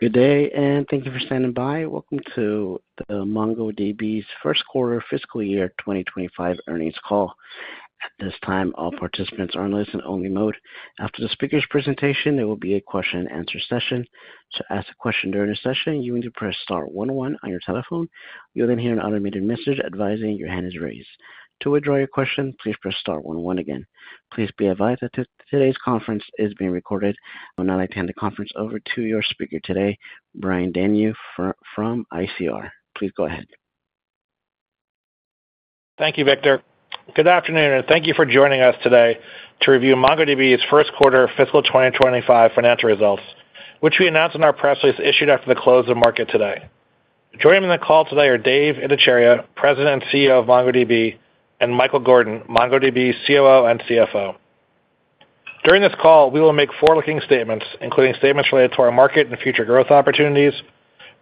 Good day, and thank you for standing by. Welcome to the MongoDB's First Quarter Fiscal Year 2025 Earnings Call. At this time, all participants are in listen-only mode. After the speaker's presentation, there will be a question and answer session. To ask a question during the session, you need to press star one one on your telephone. You'll then hear an automated message advising your hand is raised. To withdraw your question, please press star one one again. Please be advised that today's conference is being recorded. I will now hand the conference over to your speaker today, Brian Denyeau from ICR. Please go ahead. Thank you, Victor. Good afternoon, and thank you for joining us today to review MongoDB's First Quarter of Fiscal 2025 financial results, which we announced in our press release, issued after the close of market today. Joining me on the call today are Dev Ittycheria, President and CEO of MongoDB, and Michael Gordon, MongoDB's COO and CFO. During this call, we will make forward-looking statements, including statements related to our market and future growth opportunities,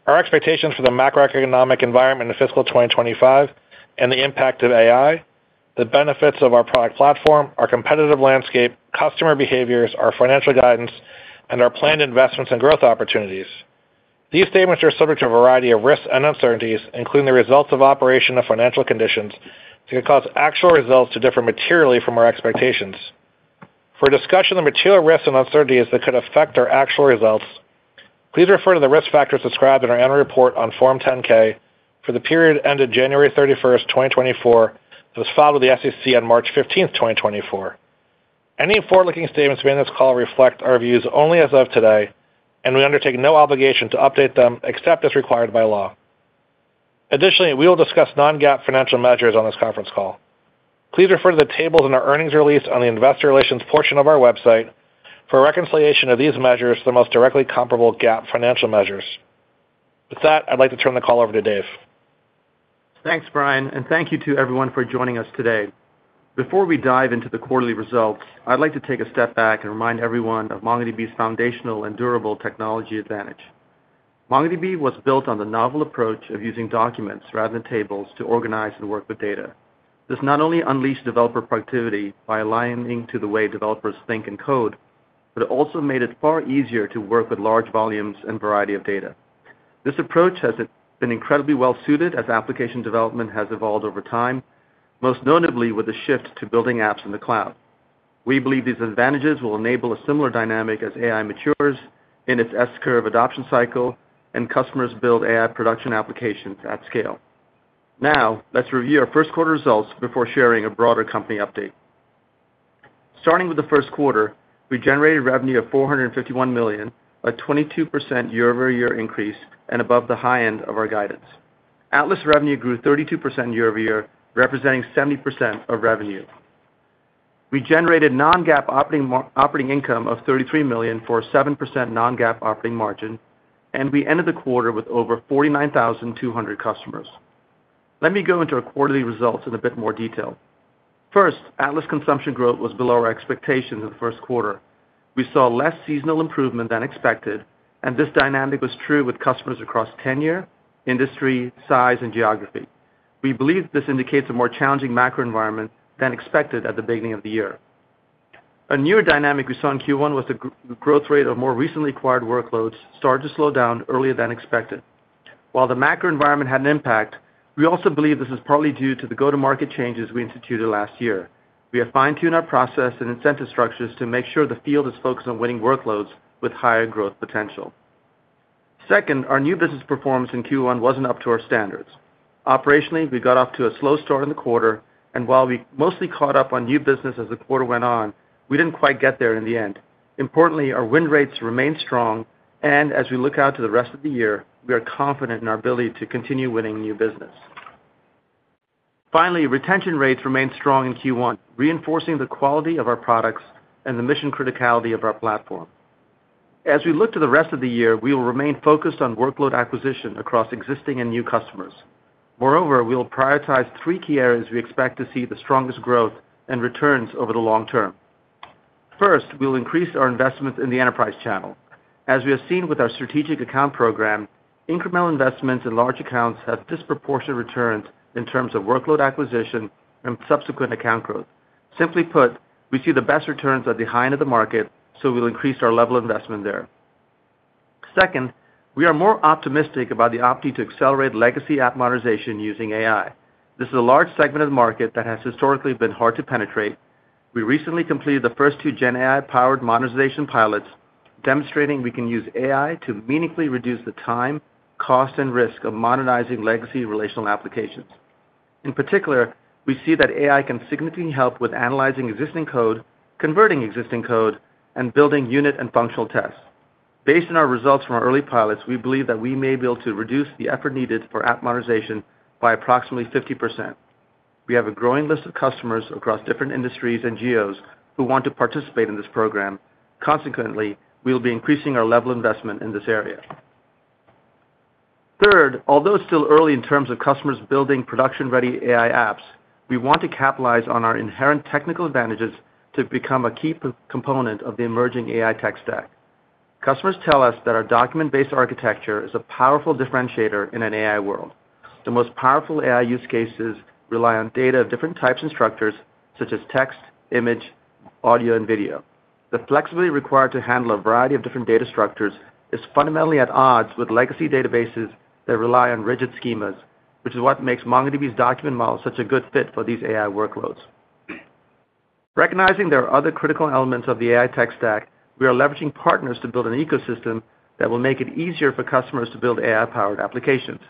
our expectations for the macroeconomic environment in Fiscal 2025 and the impact of AI, the benefits of our product platform, our competitive landscape, customer behaviors, our financial guidance, and our planned investments and growth opportunities. These statements are subject to a variety of risks and uncertainties, including the results of operation of financial conditions, that could cause actual results to differ materially from our expectations. For a discussion of material risks and uncertainties that could affect our actual results, please refer to the risk factors described in our annual report on Form 10-K for the period ended January 31st of 2024, that was filed with the SEC on March 15, 2024. Any forward-looking statements made in this call reflect our views only as of today, and we undertake no obligation to update them except as required by law. Additionally, we will discuss non-GAAP financial measures on this conference call. Please refer to the tables in our earnings release on the investor relations portion of our website for a reconciliation of these measures to the most directly comparable GAAP financial measures. With that, I'd like to turn the call over to Dev. Thanks, Brian, and thank you to everyone for joining us today. Before we dive into the quarterly results, I'd like to take a step back and remind everyone of MongoDB's foundational and durable technology advantage. MongoDB was built on the novel approach of using documents rather than tables to organize and work with data. This not only unleashed developer productivity by aligning to the way developers think and code, but it also made it far easier to work with large volumes and variety of data. This approach has been incredibly well suited as application development has evolved over time, most notably with the shift to building apps in the cloud. We believe these advantages will enable a similar dynamic as AI matures in its S-curve adoption cycle and customers build AI production applications at scale. Now, let's review our first quarter results before sharing a broader company update. Starting with the first quarter, we generated revenue of $451 million, a 22% year-over-year increase and above the high end of our guidance. Atlas revenue grew 32% year-over-year, representing 70% of revenue. We generated non-GAAP operating income of $33 million for a 7% non-GAAP operating margin, and we ended the quarter with over 49,200 customers. Let me go into our quarterly results in a bit more detail. First, Atlas consumption growth was below our expectations in the first quarter. We saw less seasonal improvement than expected, and this dynamic was true with customers across tenure, industry, size, and geography. We believe this indicates a more challenging macro environment than expected at the beginning of the year. A newer dynamic we saw in Q1 was the growth rate of more recently acquired workloads started to slow down earlier than expected. While the macro environment had an impact, we also believe this is partly due to the go-to-market changes we instituted last year. We have fine-tuned our process and incentive structures to make sure the field is focused on winning workloads with higher growth potential. Second, our new business performance in Q1 wasn't up to our standards. Operationally, we got off to a slow start in the quarter, and while we mostly caught up on new business as the quarter went on, we didn't quite get there in the end. Importantly, our win rates remain strong, and as we look out to the rest of the year, we are confident in our ability to continue winning new business. Finally, retention rates remained strong in Q1, reinforcing the quality of our products and the mission criticality of our platform. As we look to the rest of the year, we will remain focused on workload acquisition across existing and new customers. Moreover, we will prioritize three key areas we expect to see the strongest growth and returns over the long term. First, we'll increase our investments in the enterprise channel. As we have seen with our strategic account program, incremental investments in large accounts have disproportionate returned in terms of workload acquisition and subsequent account growth. Simply put, we see the best returns at the high end of the market, so we'll increase our level of investment there. Second, we are more optimistic about the opportunity to accelerate legacy app modernization using AI. This is a large segment of the market that has historically been hard to penetrate. We recently completed the first two GenAI-powered modernization pilots, demonstrating we can use AI to meaningfully reduce the time, cost, and risk of modernizing legacy relational applications. In particular, we see that AI can significantly help with analyzing existing code, converting existing code, and building unit and functional tests. Based on our results from our early pilots, we believe that we may be able to reduce the effort needed for app modernization by approximately 50%. We have a growing list of customers across different industries and geos who want to participate in this program. Consequently, we will be increasing our level of investment in this area. Third, although still early in terms of customers building production-ready AI apps, we want to capitalize on our inherent technical advantages to become a key component of the emerging AI tech stack. Customers tell us that our document-based architecture is a powerful differentiator in an AI world. The most powerful AI use cases rely on data of different types and structures, such as text, image, audio, and video. The flexibility required to handle a variety of different data structures is fundamentally at odds with legacy databases that rely on rigid schemas, which is what makes MongoDB's document model such a good fit for these AI workloads. Recognizing there are other critical elements of the AI tech stack, we are leveraging partners to build an ecosystem that will make it easier for customers to build AI-powered applications.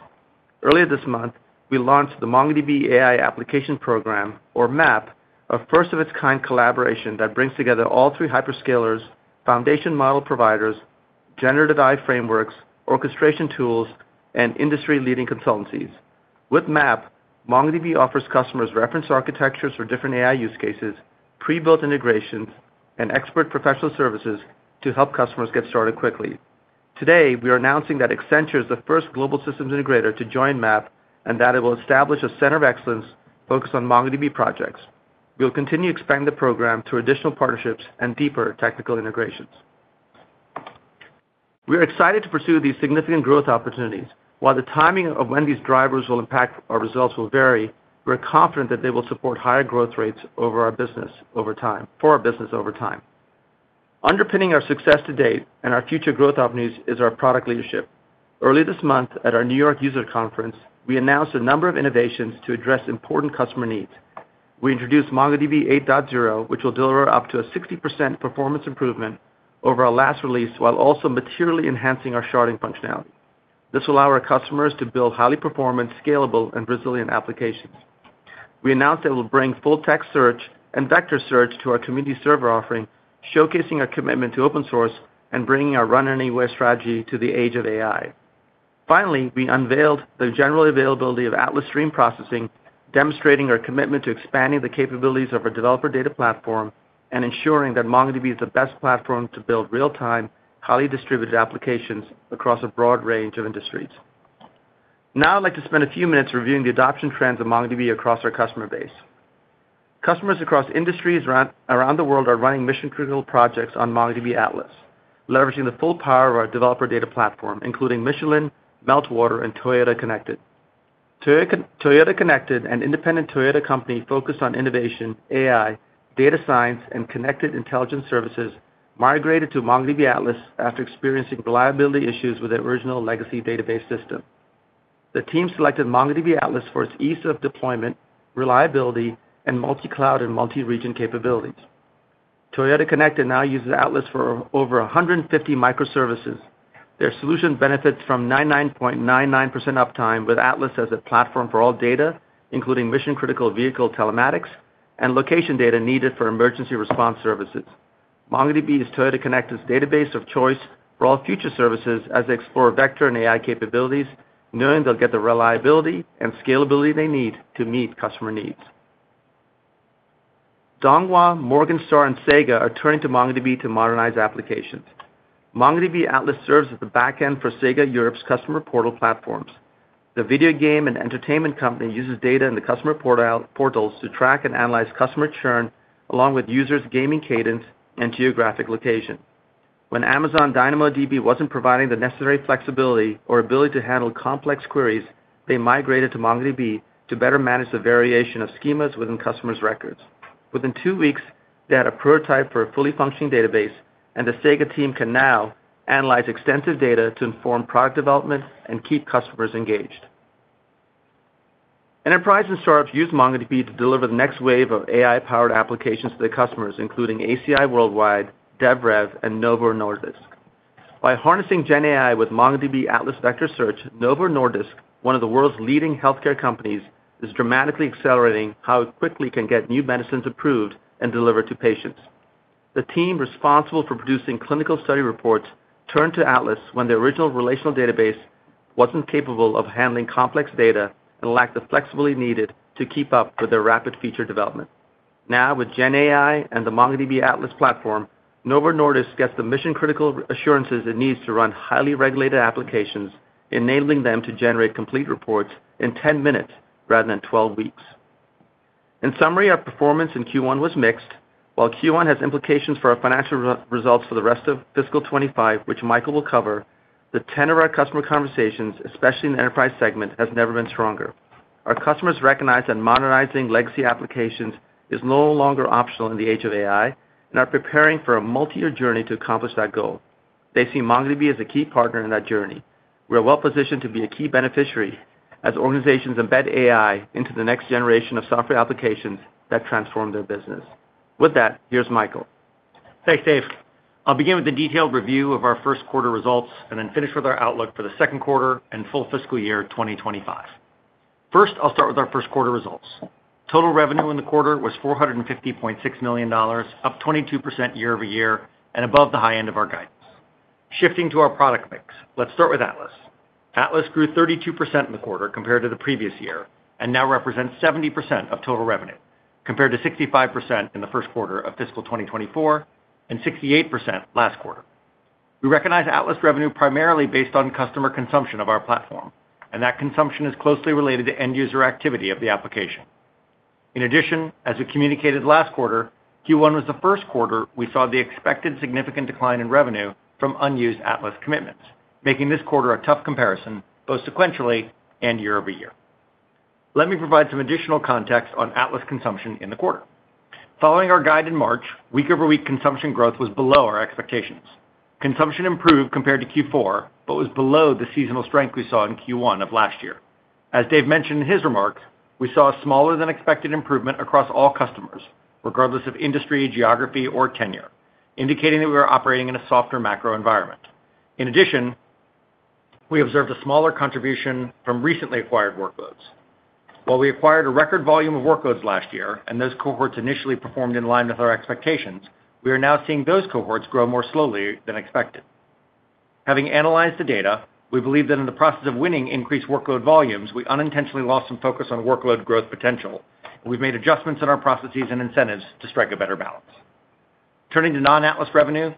Earlier this month, we launched the MongoDB AI Application Program, or MAAP, a first-of-its-kind collaboration that brings together all three hyperscalers, foundation model providers, generative AI frameworks, orchestration tools, and industry-leading consultancies. With MAAP, MongoDB offers customers reference architectures for different AI use cases, pre-built integrations, and expert professional services to help customers get started quickly. Today, we are announcing that Accenture is the first global systems integrator to join MAAP, and that it will establish a center of excellence focused on MongoDB projects. We'll continue expanding the program to additional partnerships and deeper technical integrations. We are excited to pursue these significant growth opportunities. While the timing of when these drivers will impact our results will vary, we are confident that they will support higher growth rates over time for our business over time. Underpinning our success to date and our future growth opportunities is our product leadership. Early this month, at our New York user conference, we announced a number of innovations to address important customer needs. We introduced MongoDB 8.0, which will deliver up to a 60% performance improvement over our last release, while also materially enhancing our sharding functionality. This will allow our customers to build highly performant, scalable, and resilient applications. We announced that we'll bring full text search and vector search to our community server offering, showcasing our commitment to open source and bringing our run anywhere strategy to the age of AI. Finally, we unveiled the general availability of Atlas Stream Processing, demonstrating our commitment to expanding the capabilities of our developer data platform and ensuring that MongoDB is the best platform to build real-time, highly distributed applications across a broad range of industries. Now I'd like to spend a few minutes reviewing the adoption trends of MongoDB across our customer base. Customers across industries around the world are running mission-critical projects on MongoDB Atlas, leveraging the full power of our developer data platform, including Michelin, Meltwater, and Toyota Connected. Toyota Connected, an independent Toyota company focused on innovation, AI, data science, and connected intelligence services, migrated to MongoDB Atlas after experiencing reliability issues with their original legacy database system. The team selected MongoDB Atlas for its ease of deployment, reliability, and multi-cloud and multi-region capabilities. Toyota Connected now uses Atlas for over 150 microservices. Their solution benefits from 99.99% uptime, with Atlas as a platform for all data, including mission-critical vehicle telematics and location data needed for emergency response services. MongoDB is Toyota Connected's database of choice for all future services as they explore vector and AI capabilities, knowing they'll get the reliability and scalability they need to meet customer needs. Dongwha, Morgan Stanley, and Sega are turning to MongoDB to modernize applications. MongoDB Atlas serves as the back end for Sega Europe's customer portal platforms. The video game and entertainment company uses data in the customer portal, portals to track and analyze customer churn, along with users' gaming cadence and geographic location. When Amazon DynamoDB wasn't providing the necessary flexibility or ability to handle complex queries, they migrated to MongoDB to better manage the variation of schemas within customers' records. Within two weeks, they had a prototype for a fully functioning database, and the Sega team can now analyze extensive data to inform product development and keep customers engaged. Enterprise and startups use MongoDB to deliver the next wave of AI-powered applications to their customers, including ACI Worldwide, DevRev, and Novo Nordisk. By harnessing GenAI with MongoDB Atlas Vector Search, Novo Nordisk, one of the world's leading healthcare companies, is dramatically accelerating how it quickly can get new medicines approved and delivered to patients. The team responsible for producing clinical study reports turned to Atlas when the original relational database wasn't capable of handling complex data and lacked the flexibility needed to keep up with their rapid feature development. Now, with GenAI and the MongoDB Atlas platform, Novo Nordisk gets the mission-critical assurances it needs to run highly regulated applications, enabling them to generate complete reports in 10 minutes rather than 12 weeks. In summary, our performance in Q1 was mixed. While Q1 has implications for our financial results for the rest of Fiscal 2025, which Michael will cover, the tenor of our customer conversations, especially in the enterprise segment, has never been stronger. Our customers recognize that modernizing legacy applications is no longer optional in the age of AI and are preparing for a multi-year journey to accomplish that goal. They see MongoDB as a key partner in that journey. We are well positioned to be a key beneficiary as organizations embed AI into the next generation of software applications that transform their business. With that, here's Michael. Thanks, Dev. I'll begin with a detailed review of our first quarter results, and then finish with our outlook for the second quarter and full Fiscal Year 2025. First, I'll start with our first quarter results. Total revenue in the quarter was $450.6 million, up 22% year-over-year and above the high end of our guidance. Shifting to our product mix, let's start with Atlas. Atlas grew 32% in the quarter compared to the previous year and now represents 70% of total revenue, compared to 65% in the first quarter of Fiscal 2024 and 68% last quarter. We recognize Atlas revenue primarily based on customer consumption of our platform, and that consumption is closely related to end-user activity of the application. In addition, as we communicated last quarter, Q1 was the first quarter we saw the expected significant decline in revenue from unused Atlas commitments, making this quarter a tough comparison, both sequentially and year-over-year. Let me provide some additional context on Atlas consumption in the quarter. Following our guide in March, week-over-week consumption growth was below our expectations. Consumption improved compared to Q4, but was below the seasonal strength we saw in Q1 of last year. As Dev mentioned in his remarks, we saw a smaller-than-expected improvement across all customers, regardless of industry, geography, or tenure, indicating that we are operating in a softer macro environment. In addition, we observed a smaller contribution from recently acquired workloads. While we acquired a record volume of workloads last year, and those cohorts initially performed in line with our expectations, we are now seeing those cohorts grow more slowly than expected. Having analyzed the data, we believe that in the process of winning increased workload volumes, we unintentionally lost some focus on workload growth potential, and we've made adjustments in our processes and incentives to strike a better balance. Turning to non-Atlas revenue,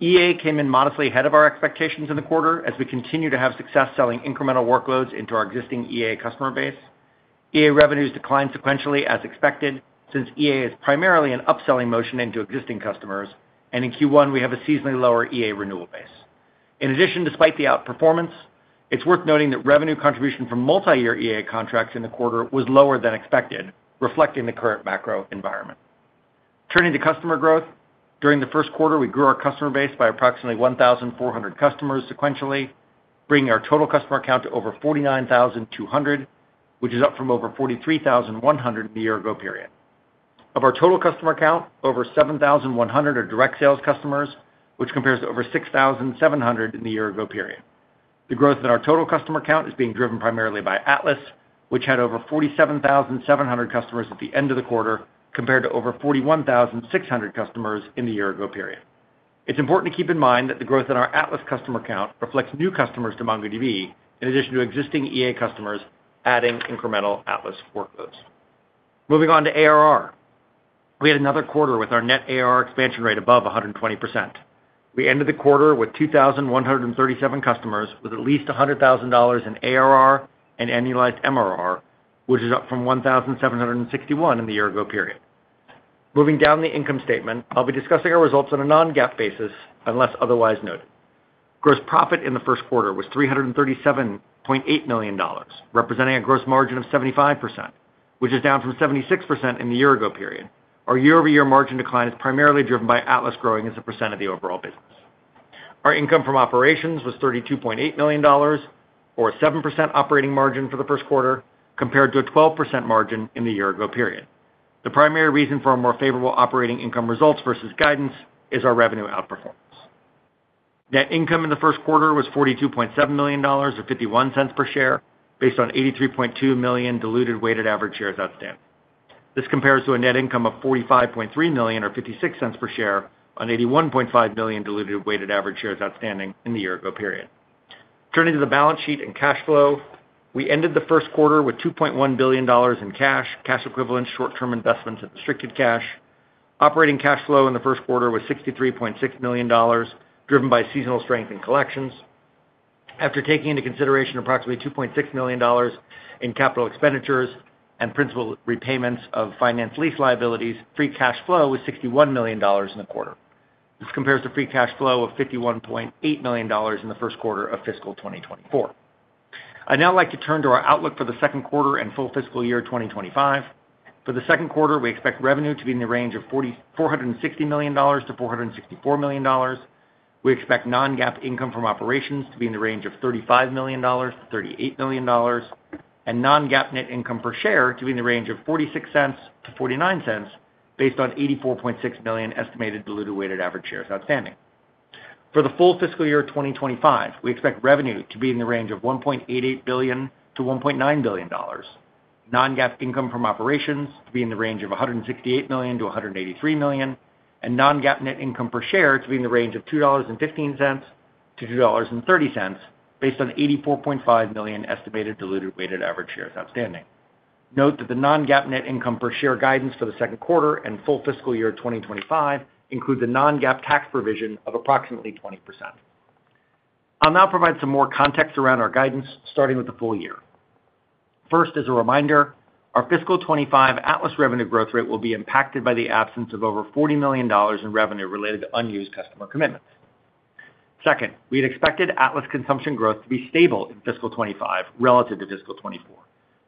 EA came in modestly ahead of our expectations in the quarter as we continue to have success selling incremental workloads into our existing EA customer base. EA revenues declined sequentially as expected, since EA is primarily an upselling motion into existing customers, and in Q1, we have a seasonally lower EA renewal base. In addition, despite the outperformance, it's worth noting that revenue contribution from multi-year EA contracts in the quarter was lower than expected, reflecting the current macro environment. Turning to customer growth. During the first quarter, we grew our customer base by approximately 1,400 customers sequentially, bringing our total customer count to over 49,200, which is up from over 43,100 the year ago period. Of our total customer count, over 7,100 are direct sales customers, which compares to over 6,700 in the year ago period. The growth in our total customer count is being driven primarily by Atlas, which had over 47,700 customers at the end of the quarter, compared to over 41,600 customers in the year ago period. It's important to keep in mind that the growth in our Atlas customer count reflects new customers to MongoDB, in addition to existing EA customers adding incremental Atlas workloads. Moving on to ARR. We had another quarter with our net ARR expansion rate above 120%. We ended the quarter with 2,137 customers with at least $100,000 in ARR and annualized MRR, which is up from 1,761 in the year ago period. Moving down the income statement, I'll be discussing our results on a non-GAAP basis, unless otherwise noted. Gross profit in the first quarter was $337.8 million, representing a gross margin of 75%, which is down from 76% in the year ago period. Our year-over-year margin decline is primarily driven by Atlas growing as a percent of the overall business. Our income from operations was $32.8 million, or a 7% operating margin for the first quarter, compared to a 12% margin in the year ago period. The primary reason for our more favorable operating income results versus guidance is our revenue outperformance. Net income in the first quarter was $42.7 million, or $0.51 per share, based on 83.2 million diluted weighted average shares outstanding. This compares to a net income of $45.3 million or $0.56 per share on 81.5 million diluted weighted average shares outstanding in the year ago period. Turning to the balance sheet and cash flow, we ended the first quarter with $2.1 billion in cash, cash equivalents, short-term investments, and restricted cash. Operating cash flow in the first quarter was $63.6 million, driven by seasonal strength and collections. After taking into consideration approximately $2.6 million in capital expenditures and principal repayments of finance lease liabilities, free cash flow was $61 million in the quarter. This compares to free cash flow of $51.8 million in the first quarter of Fiscal 2024. I'd now like to turn to our outlook for the second quarter and full Fiscal Year 2025. For the second quarter, we expect revenue to be in the range of $446 million to $464 million. We expect non-GAAP income from operations to be in the range of $35 million to $38 million, and non-GAAP net income per share to be in the range of $0.46 to $0.49, based on 84.6 million estimated diluted weighted average shares outstanding. For the full Fiscal Year of 2025, we expect revenue to be in the range of $1.88 billion to $1.9 billion. Non-GAAP income from operations to be in the range of $168 million to $183 million, and non-GAAP net income per share to be in the range of $2.15 to $2.30, based on 84.5 million estimated diluted weighted average shares outstanding. Note that the non-GAAP net income per share guidance for the second quarter and full fiscal year of 2025 include the non-GAAP tax provision of approximately 20%. I'll now provide some more context around our guidance, starting with the full year. First, as a reminder, our Fiscal 2025 Atlas revenue growth rate will be impacted by the absence of over $40 million in revenue related to unused customer commitments. Second, we had expected Atlas consumption growth to be stable in Fiscal 2025 relative to fiscal 2024.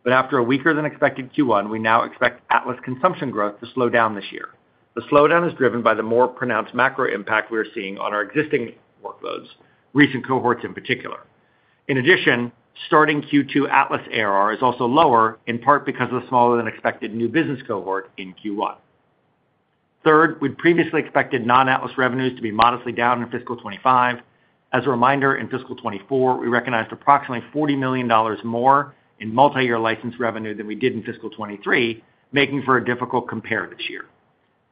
But after a weaker than expected Q1, we now expect Atlas consumption growth to slow down this year. The slowdown is driven by the more pronounced macro impact we are seeing on our existing workloads, recent cohorts in particular. In addition, starting Q2, Atlas ARR is also lower, in part because of the smaller than expected new business cohort in Q1. Third, we'd previously expected non-Atlas revenues to be modestly down in Fiscal 2025. As a reminder, in Fiscal 2024, we recognized approximately $40 million more in multi-year licensed revenue than we did in Fiscal 2023, making for a difficult compare this year.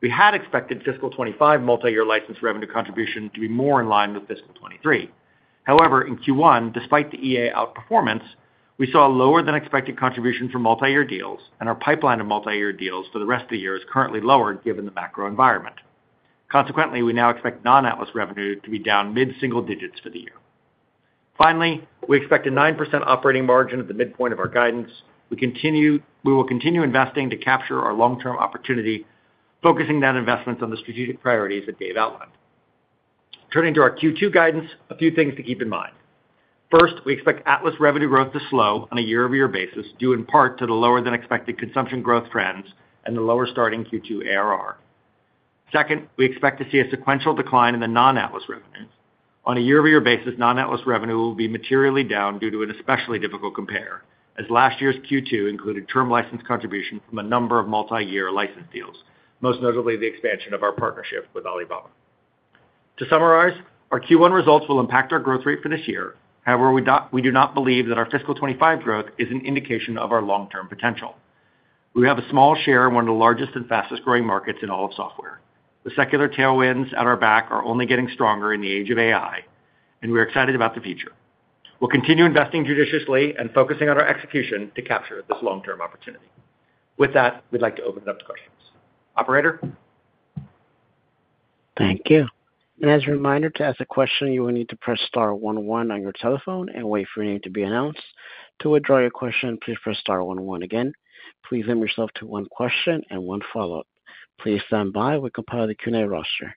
We had expected Fiscal 2025 multi-year licensed revenue contribution to be more in line with fiscal 2023. However, in Q1, despite the EA outperformance, we saw a lower than expected contribution from multi-year deals, and our pipeline of multi-year deals for the rest of the year is currently lower, given the macro environment. Consequently, we now expect non-Atlas revenue to be down mid-single digits for the year. Finally, we expect a 9% operating margin at the midpoint of our guidance. We will continue investing to capture our long-term opportunity, focusing that investment on the strategic priorities that Dev outlined. Turning to our Q2 guidance, a few things to keep in mind. First, we expect Atlas revenue growth to slow on a year-over-year basis, due in part to the lower than expected consumption growth trends and the lower starting Q2 ARR. Second, we expect to see a sequential decline in the non-Atlas revenues. On a year-over-year basis, non-Atlas revenue will be materially down due to an especially difficult compare, as last year's Q2 included term license contribution from a number of multi-year license deals, most notably the expansion of our partnership with Alibaba. To summarize, our Q1 results will impact our growth rate for this year. However, we do not, we do not believe that our Fiscal 2025 growth is an indication of our long-term potential. We have a small share in one of the largest and fastest-growing markets in all of software. The secular tailwinds at our back are only getting stronger in the age of AI, and we're excited about the future. We'll continue investing judiciously and focusing on our execution to capture this long-term opportunity. With that, we'd like to open it up to questions. Operator? Thank you. As a reminder, to ask a question, you will need to press star one one on your telephone and wait for your name to be announced. To withdraw your question, please press star one one again. Please limit yourself to one question and one follow-up. Please stand by while we compile the Q&A roster.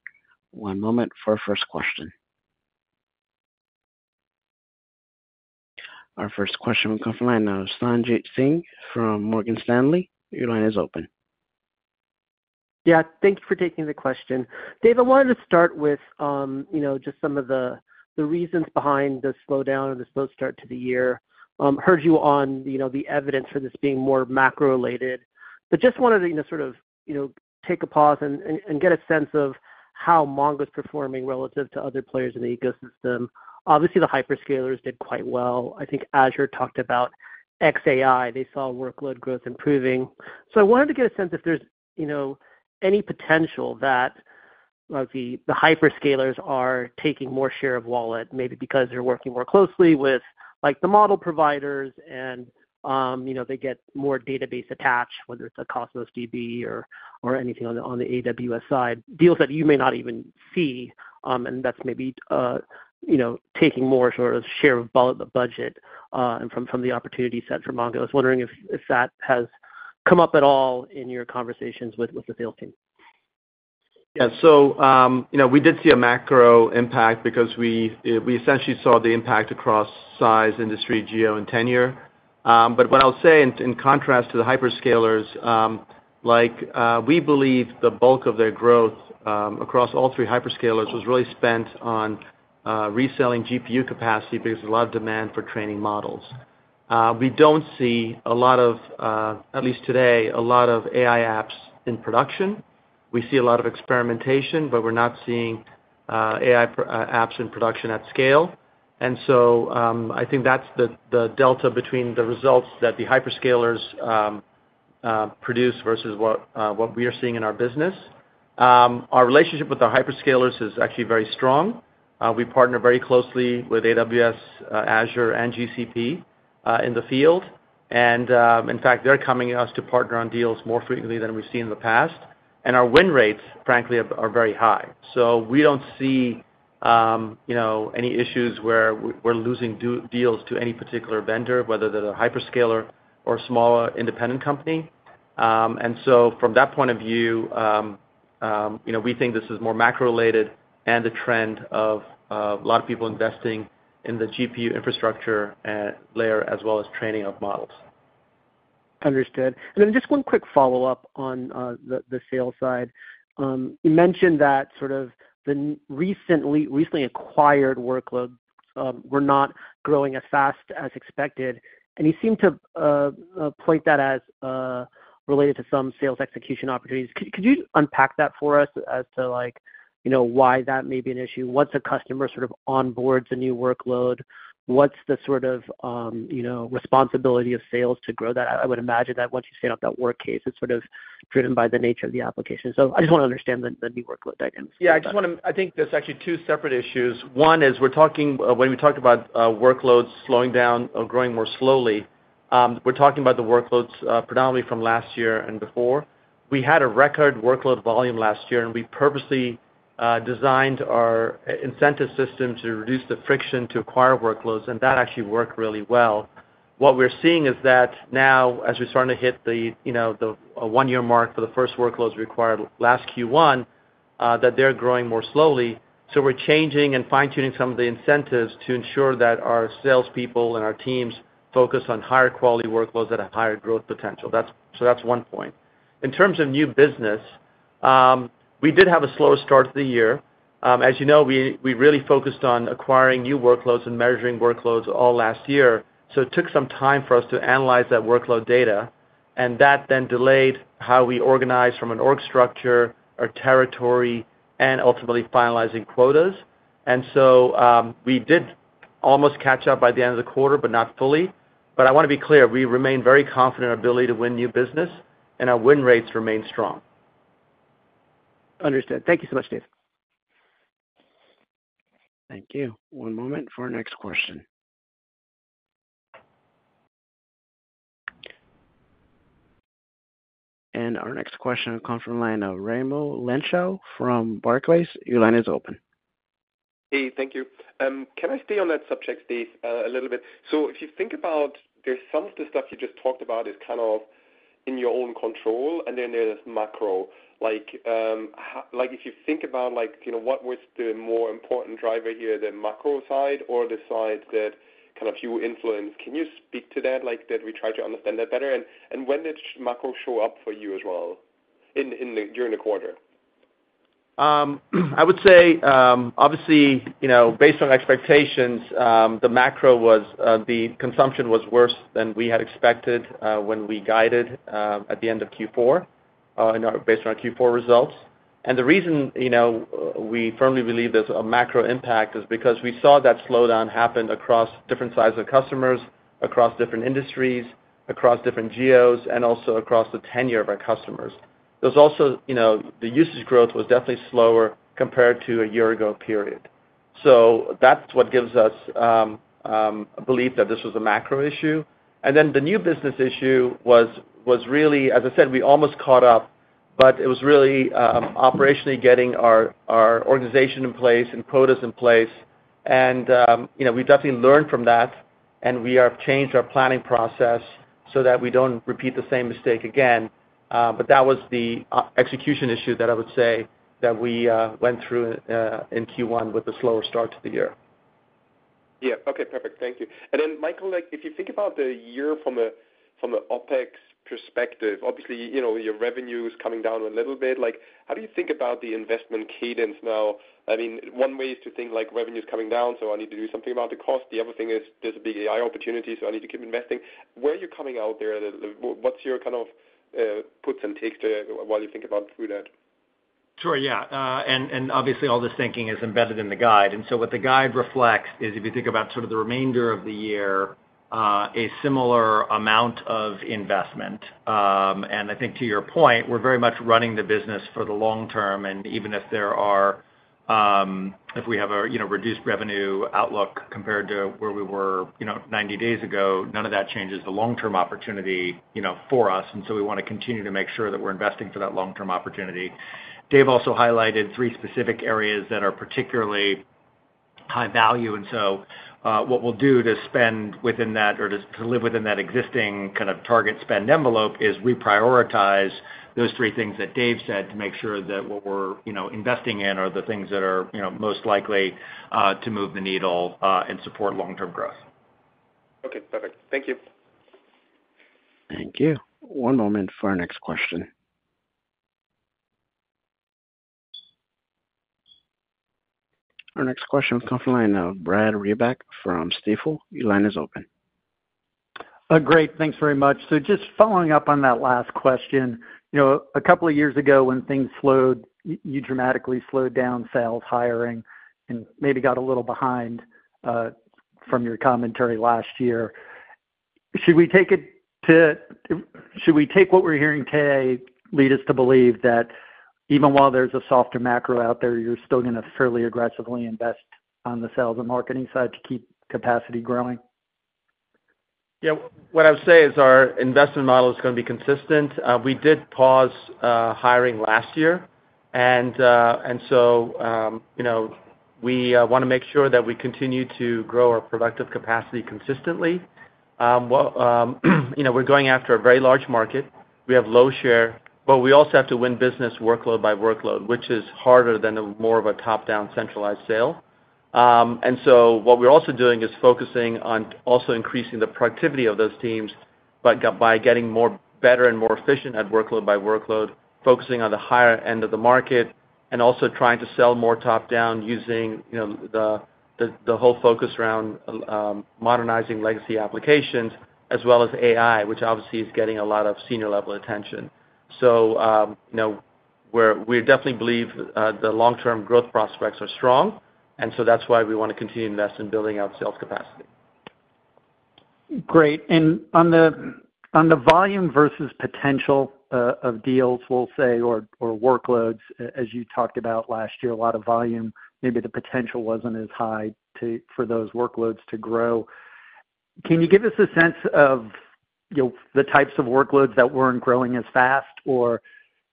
One moment for our first question. Our first question will come from line of Sanjit Singh from Morgan Stanley. Your line is open. Yeah, thank you for taking the question. Dev, I wanted to start with, you know, just some of the, the reasons behind the slowdown or the slow start to the year. Heard you on, you know, the evidence for this being more macro-related, but just wanted to, you know, sort of, you know, take a pause and get a sense of how Mongo is performing relative to other players in the ecosystem. Obviously, the hyperscalers did quite well. I think Azure talked about xAI. They saw workload growth improving. So I wanted to get a sense if there's, you know, any potential that the hyperscalers are taking more share of wallet, maybe because they're working more closely with, like, the model providers and, you know, they get more database attached, whether it's a Cosmos DB or anything on the AWS side, deals that you may not even see, and that's maybe taking more sort of share of wallet, the budget, and from the opportunity set for Mongo. I was wondering if that has come up at all in your conversations with the sales team. Yeah. So, you know, we did see a macro impact because we, we essentially saw the impact across size, industry, geo, and tenure. But what I'll say in, in contrast to the hyperscalers, like, we believe the bulk of their growth, across all three hyperscalers was really spent on, reselling GPU capacity because there's a lot of demand for training models. We don't see a lot of, at least today, a lot of AI apps in production. We see a lot of experimentation, but we're not seeing, AI apps in production at scale. And so, I think that's the, the delta between the results that the hyperscalers, produce versus what, what we are seeing in our business. Our relationship with the hyperscalers is actually very strong. We partner very closely with AWS, Azure, and GCP in the field. And, in fact, they're coming to us to partner on deals more frequently than we've seen in the past, and our win rates, frankly, are very high. So we don't see, you know, any issues where we're losing deals to any particular vendor, whether they're a hyperscaler or a smaller independent company. And so from that point of view, you know, we think this is more macro-related and a trend of a lot of people investing in the GPU infrastructure layer, as well as training of models. Understood. Then just one quick follow-up on the sales side. You mentioned that sort of the recently acquired workload were not growing as fast as expected, and you seemed to point that as related to some sales execution opportunities. Could you unpack that for us as to like, you know, why that may be an issue? Once a customer sort of onboards a new workload, what's the sort of, you know, responsibility of sales to grow that? I would imagine that once you set up that workload, it's sort of driven by the nature of the application. So I just want to understand the new workload dynamics. Yeah, I just want to, I think there's actually two separate issues. One is we're talking. When we talked about workloads slowing down or growing more slowly, we're talking about the workloads, predominantly from last year and before. We had a record workload volume last year, and we purposely designed our incentive system to reduce the friction to acquire workloads, and that actually worked really well. What we're seeing is that now, as we're starting to hit the, you know, the one-year mark for the first workloads required last Q1, that they're growing more slowly. So we're changing and fine-tuning some of the incentives to ensure that our salespeople and our teams focus on higher quality workloads at a higher growth potential. That's so that's one point. In terms of new business, we did have a slower start to the year. As you know, we really focused on acquiring new workloads and measuring workloads all last year, so it took some time for us to analyze that workload data, and that then delayed how we organize from an org structure or territory and ultimately finalizing quotas. We did almost catch up by the end of the quarter, but not fully. I want to be clear, we remain very confident in our ability to win new business, and our win rates remain strong. Understood. Thank you so much, Dev. Thank you. One moment for our next question. Our next question comes from the line of Raimo Lenschow from Barclays. Your line is open. Hey, thank you. Can I stay on that subject, Dev, a little bit? So if you think about, there's some of the stuff you just talked about is kind of in your own control, and then there's macro. Like, if you think about, like, you know, what was the more important driver here, the macro side or the side that kind of you influence? Can you speak to that, like, that we try to understand that better? And when did macro show up for you as well in the during the quarter? I would say, obviously, you know, based on expectations, the macro was, the consumption was worse than we had expected, when we guided, at the end of Q4 based on our Q4 results. And the reason, you know, we firmly believe there's a macro impact is because we saw that slowdown happened across different sides of customers, across different industries, across different geos, and also across the tenure of our customers. There's also, you know, the usage growth was definitely slower compared to a year ago period. So that's what gives us, a belief that this was a macro issue. And then the new business issue was really, as I said, we almost caught up, but it was really, operationally getting our, our organization in place and quotas in place. You know, we definitely learned from that, and we have changed our planning process so that we don't repeat the same mistake again. But that was the execution issue that I would say that we went through in Q1 with the slower start to the year. Yeah. Okay, perfect. Thank you. And then, Michael, like, if you think about the year from a OpEx perspective, obviously, you know, your revenue is coming down a little bit. Like, how do you think about the investment cadence now? I mean, one way is to think like revenue is coming down, so I need to do something about the cost. The other thing is there's a big AI opportunity, so I need to keep investing. Where are you coming out there? What's your kind of puts and takes while you think about through that? Sure. Yeah. And obviously, all this thinking is embedded in the guide. And so what the guide reflects is if you think about sort of the remainder of the year, a similar amount of investment. And I think to your point, we're very much running the business for the long term, and even if there are, if we have a, you know, reduced revenue outlook compared to where we were, you know, 90 days ago, none of that changes the long-term opportunity, you know, for us. And so we want to continue to make sure that we're investing for that long-term opportunity. Dev also highlighted three specific areas that are particularly high value, and so, what we'll do to spend within that or just to live within that existing kind of target spend envelope is reprioritize those three things that Dev said to make sure that what we're, you know, investing in are the things that are, you know, most likely to move the needle, and support long-term growth. Okay, perfect. Thank you. Thank you. One moment for our next question. Our next question comes from the line of Brad Reback from Stifel. Your line is open. Great. Thanks very much. So just following up on that last question. You know, a couple of years ago, when things slowed, you dramatically slowed down sales, hiring, and maybe got a little behind, from your commentary last year. Should we take what we're hearing today, lead us to believe that even while there's a softer macro out there, you're still going to fairly aggressively invest on the sales and marketing side to keep capacity growing? Yeah, what I would say is our investment model is going to be consistent. We did pause hiring last year, and so, you know, we want to make sure that we continue to grow our productive capacity consistently. Well, you know, we're going after a very large market. We have low share, but we also have to win business workload by workload, which is harder than a more of a top-down centralized sale. And so what we're also doing is focusing on also increasing the productivity of those teams by getting more better and more efficient at workload by workload, focusing on the higher end of the market, and also trying to sell more top-down using, you know, the whole focus around modernizing legacy applications as well as AI, which obviously is getting a lot of senior-level attention. You know, we definitely believe the long-term growth prospects are strong, and so that's why we want to continue to invest in building out sales capacity. Great. And on the volume versus potential of deals, we'll say, or workloads, as you talked about last year, a lot of volume, maybe the potential wasn't as high for those workloads to grow. Can you give us a sense of, you know, the types of workloads that weren't growing as fast or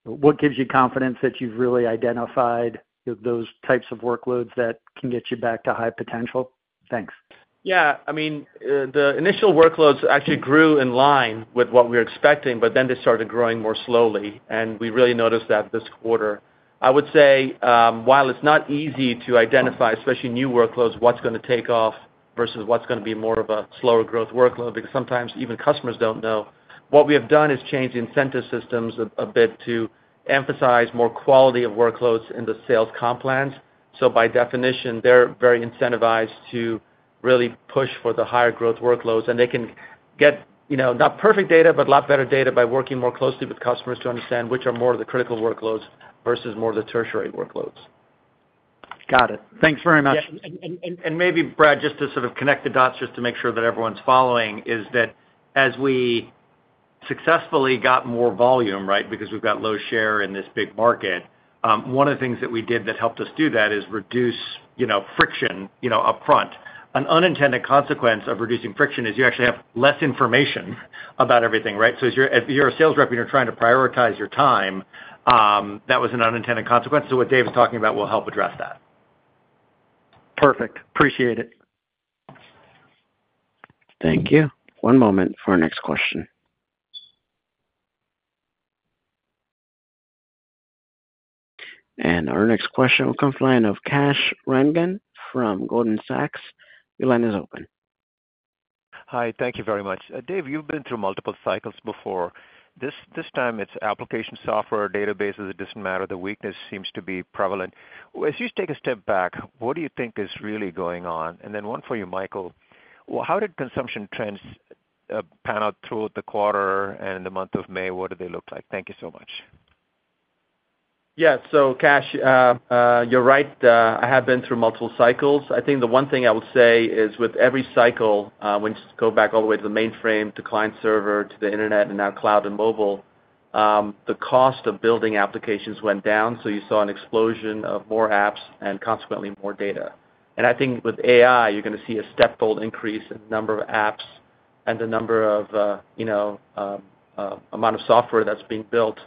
what gives you confidence that you've really identified those types of workloads that can get you back to high potential? Thanks. Yeah. I mean, the initial workloads actually grew in line with what we were expecting, but then they started growing more slowly, and we really noticed that this quarter. I would say, while it's not easy to identify, especially new workloads, what's going to take off versus what's going to be more of a slower growth workload, because sometimes even customers don't know. What we have done is change the incentive systems a bit to emphasize more quality of workloads in the sales comp plans. So by definition, they're very incentivized to really push for the higher growth workloads, and they can get, you know, not perfect data, but a lot better data by working more closely with customers to understand which are more of the critical workloads versus more of the tertiary workloads. Got it. Thanks very much. Yeah, maybe, Brad, just to sort of connect the dots just to make sure that everyone's following, is that as we successfully got more volume, right? Because we've got low share in this big market. One of the things that we did that helped us do that is reduce, you know, friction, you know, upfront. An unintended consequence of reducing friction is you actually have less information about everything, right? So as you're a sales rep, and you're trying to prioritize your time, that was an unintended consequence. So what Dev's talking about will help address that. Perfect. Appreciate it. Thank you. One moment for our next question. Our next question will come from the line of Kash Rangan from Goldman Sachs. Your line is open. Hi, thank you very much. Dev, you've been through multiple cycles before. This, this time, it's application software, databases, it doesn't matter, the weakness seems to be prevalent. As you take a step back, what do you think is really going on? And then one for you, Michael, how did consumption trends pan out through the quarter and the month of May? What do they look like? Thank you so much. Yeah. So, Kash, you're right, I have been through multiple cycles. I think the one thing I would say is with every cycle, when you go back all the way to the mainframe, to client server, to the internet, and now cloud and mobile, the cost of building applications went down, so you saw an explosion of more apps and consequently more data. And I think with AI, you're going to see a step bold increase in the number of apps and the number of, you know, amount of software that's being built,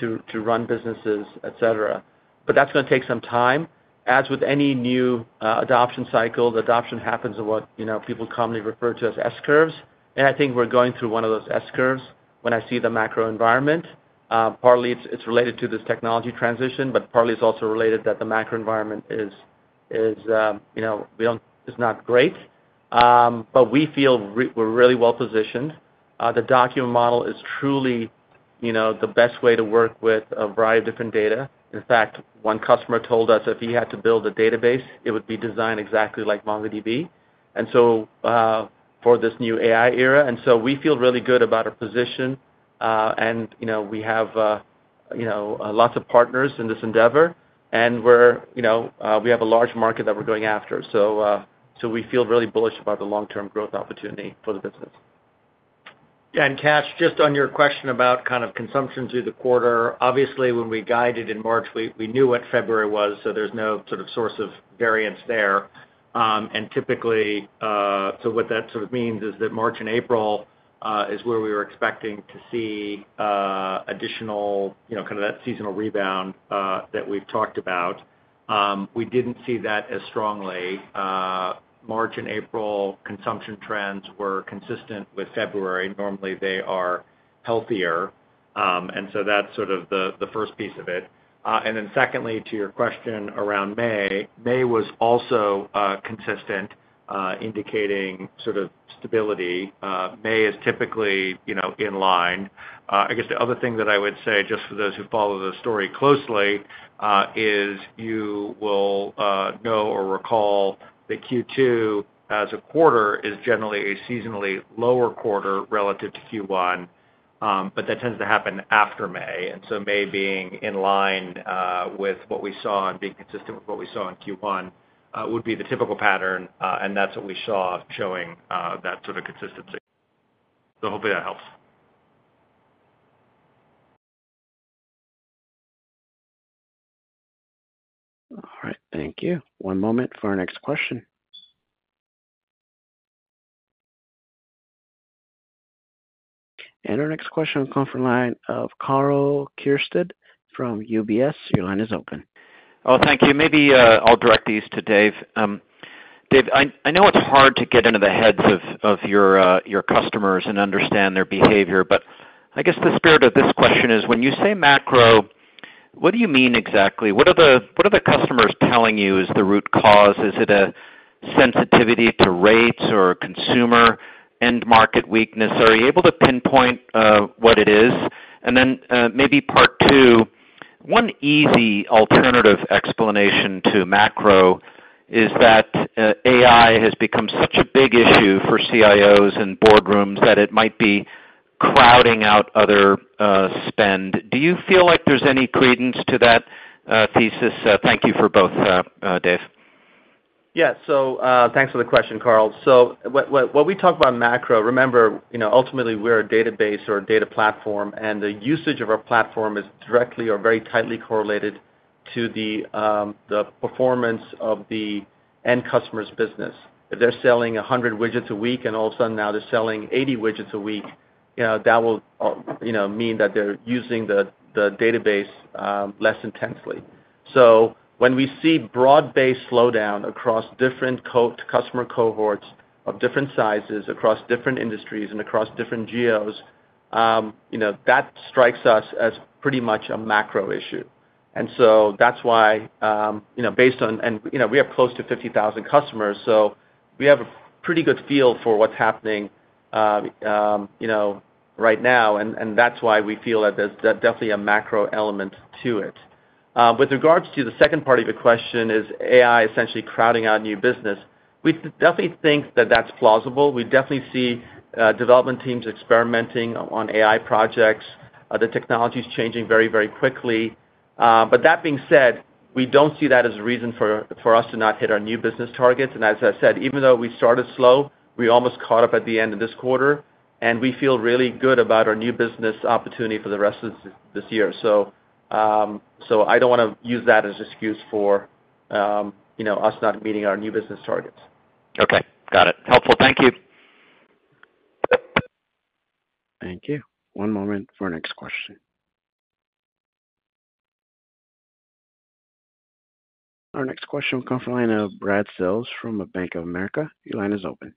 to run businesses, et cetera. But that's going to take some time. As with any new adoption cycle, the adoption happens at what, you know, people commonly refer to as S-curves, and I think we're going through one of those S-curves when I see the macro environment. Partly it's related to this technology transition, but partly it's also related that the macro environment is, you know, not great. But we feel we're really well positioned. The document model is truly, you know, the best way to work with a variety of different data. In fact, one customer told us if he had to build a database, it would be designed exactly like MongoDB. And so, for this new AI era, and so we feel really good about our position, and, you know, we have, you know, lots of partners in this endeavor, and we're you know, we have a large market that we're going after. So, we feel really bullish about the long-term growth opportunity for the business. Kash, just on your question about kind of consumption through the quarter. Obviously, when we guided in March, we, we knew what February was, so there's no sort of source of variance there. And typically, so what that sort of means is that March and April is where we were expecting to see additional, you know, kind of that seasonal rebound that we've talked about. We didn't see that as strongly. March and April consumption trends were consistent with February. Normally, they are healthier, and so that's sort of the, the first piece of it. And then secondly, to your question around May, May was also consistent, indicating sort of stability. May is typically, you know, in line. The other thing that I would say, just for those who follow the story closely, is you will know or recall that Q2, as a quarter, is generally a seasonally lower quarter relative to Q1, but that tends to happen after May. And so May being in line, with what we saw and being consistent with what we saw in Q1, would be the typical pattern, and that's what we saw showing that sort of consistency. So hopefully that helps. All right, thank you. One moment for our next question. Our next question will come from the line of Karl Keirstead from UBS. Your line is open. Oh, thank you. Maybe I'll direct these to Dev. Dev, I know it's hard to get into the heads of your customers and understand their behavior, but I guess the spirit of this question is, when you say macro, what do you mean exactly? What are the customers telling you is the root cause? Is it a sensitivity to rates or a consumer end market weakness? Are you able to pinpoint what it is? And then, maybe part two, one easy alternative explanation to macro is that AI has become such a big issue for CIOs and boardrooms, that it might be crowding out other spend. Do you feel like there's any credence to that thesis? Thank you for both, Dev. Yeah. So, thanks for the question, Karl. So when we talk about macro, remember, you know, ultimately, we're a database or a data platform, and the usage of our platform is directly or very tightly correlated to the performance of the end customer's business. If they're selling 100 widgets a week, and all of a sudden, now they're selling 80 widgets a week, you know, that will, you know, mean that they're using the database less intensely. So when we see broad-based slowdown across different customer cohorts of different sizes, across different industries and across different geos, you know, that strikes us as pretty much a macro issue. So that's why, you know, based on and, you know, we have close to 50,000 customers, so we have a pretty good feel for what's happening, you know, right now, and that's why we feel that there's definitely a macro element to it. With regards to the second part of your question, is AI essentially crowding out new business? We definitely think that that's plausible. We definitely see development teams experimenting on AI projects. The technology is changing very, very quickly. But that being said, we don't see that as a reason for us to not hit our new business targets. And as I said, even though we started slow, we almost caught up at the end of this quarter, and we feel really good about our new business opportunity for the rest of this year. I don't want to use that as excuse for, you know, us not meeting our new business targets. Okay, got it. Helpful. Thank you. Thank you. One moment for our next question. Our next question comes from the line of Brad Sills from Bank of America. Your line is open.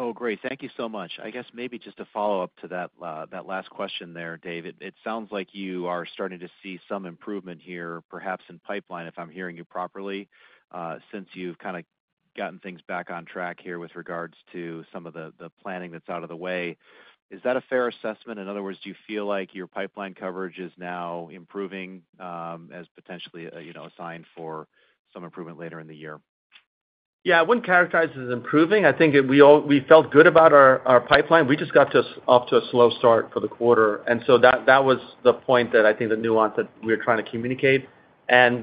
Oh, great. Thank you so much. Maybe just a follow-up to that, that last question there, Dev. It, it sounds like you are starting to see some improvement here, perhaps in pipeline, if I'm hearing you properly, since you've kind of gotten things back on track here with regards to some of the, the planning that's out of the way. Is that a fair assessment? In other words, do you feel like your pipeline coverage is now improving, as potentially, you know, a sign for some improvement later in the year? Yeah, I wouldn't characterize it as improving. I think we all felt good about our pipeline. We just got off to a slow start for the quarter, and so that was the point that I think the nuance that we're trying to communicate, and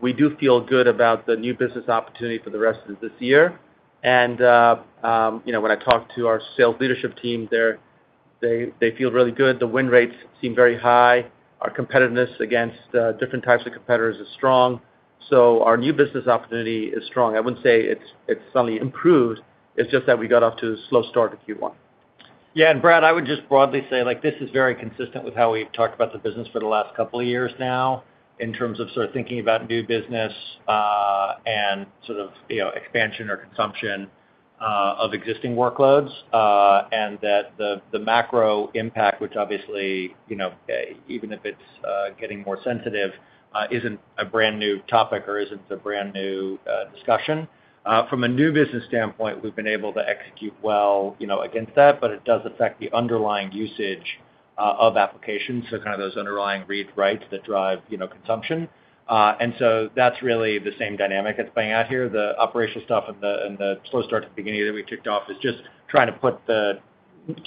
we do feel good about the new business opportunity for the rest of this year. And, you know, when I talk to our sales leadership team there, they feel really good. The win rates seem very high. Our competitiveness against different types of competitors is strong, so our new business opportunity is strong. I wouldn't say it's suddenly improved. It's just that we got off to a slow start to Q1. Yeah, and Brad, I would just broadly say, like, this is very consistent with how we've talked about the business for the last couple of years now, in terms of sort of thinking about new business, and sort of, you know, expansion or consumption of existing workloads. And that the macro impact, which obviously, you know, even if it's getting more sensitive, isn't a brand-new topic or isn't a brand-new discussion. From a new business standpoint, we've been able to execute well, you know, against that, but it does affect the underlying usage of applications, so kind of those underlying reads, writes that drive, you know, consumption. And so that's really the same dynamic that's playing out here. The operational stuff and the slow start at the beginning that we kicked off is just trying to put the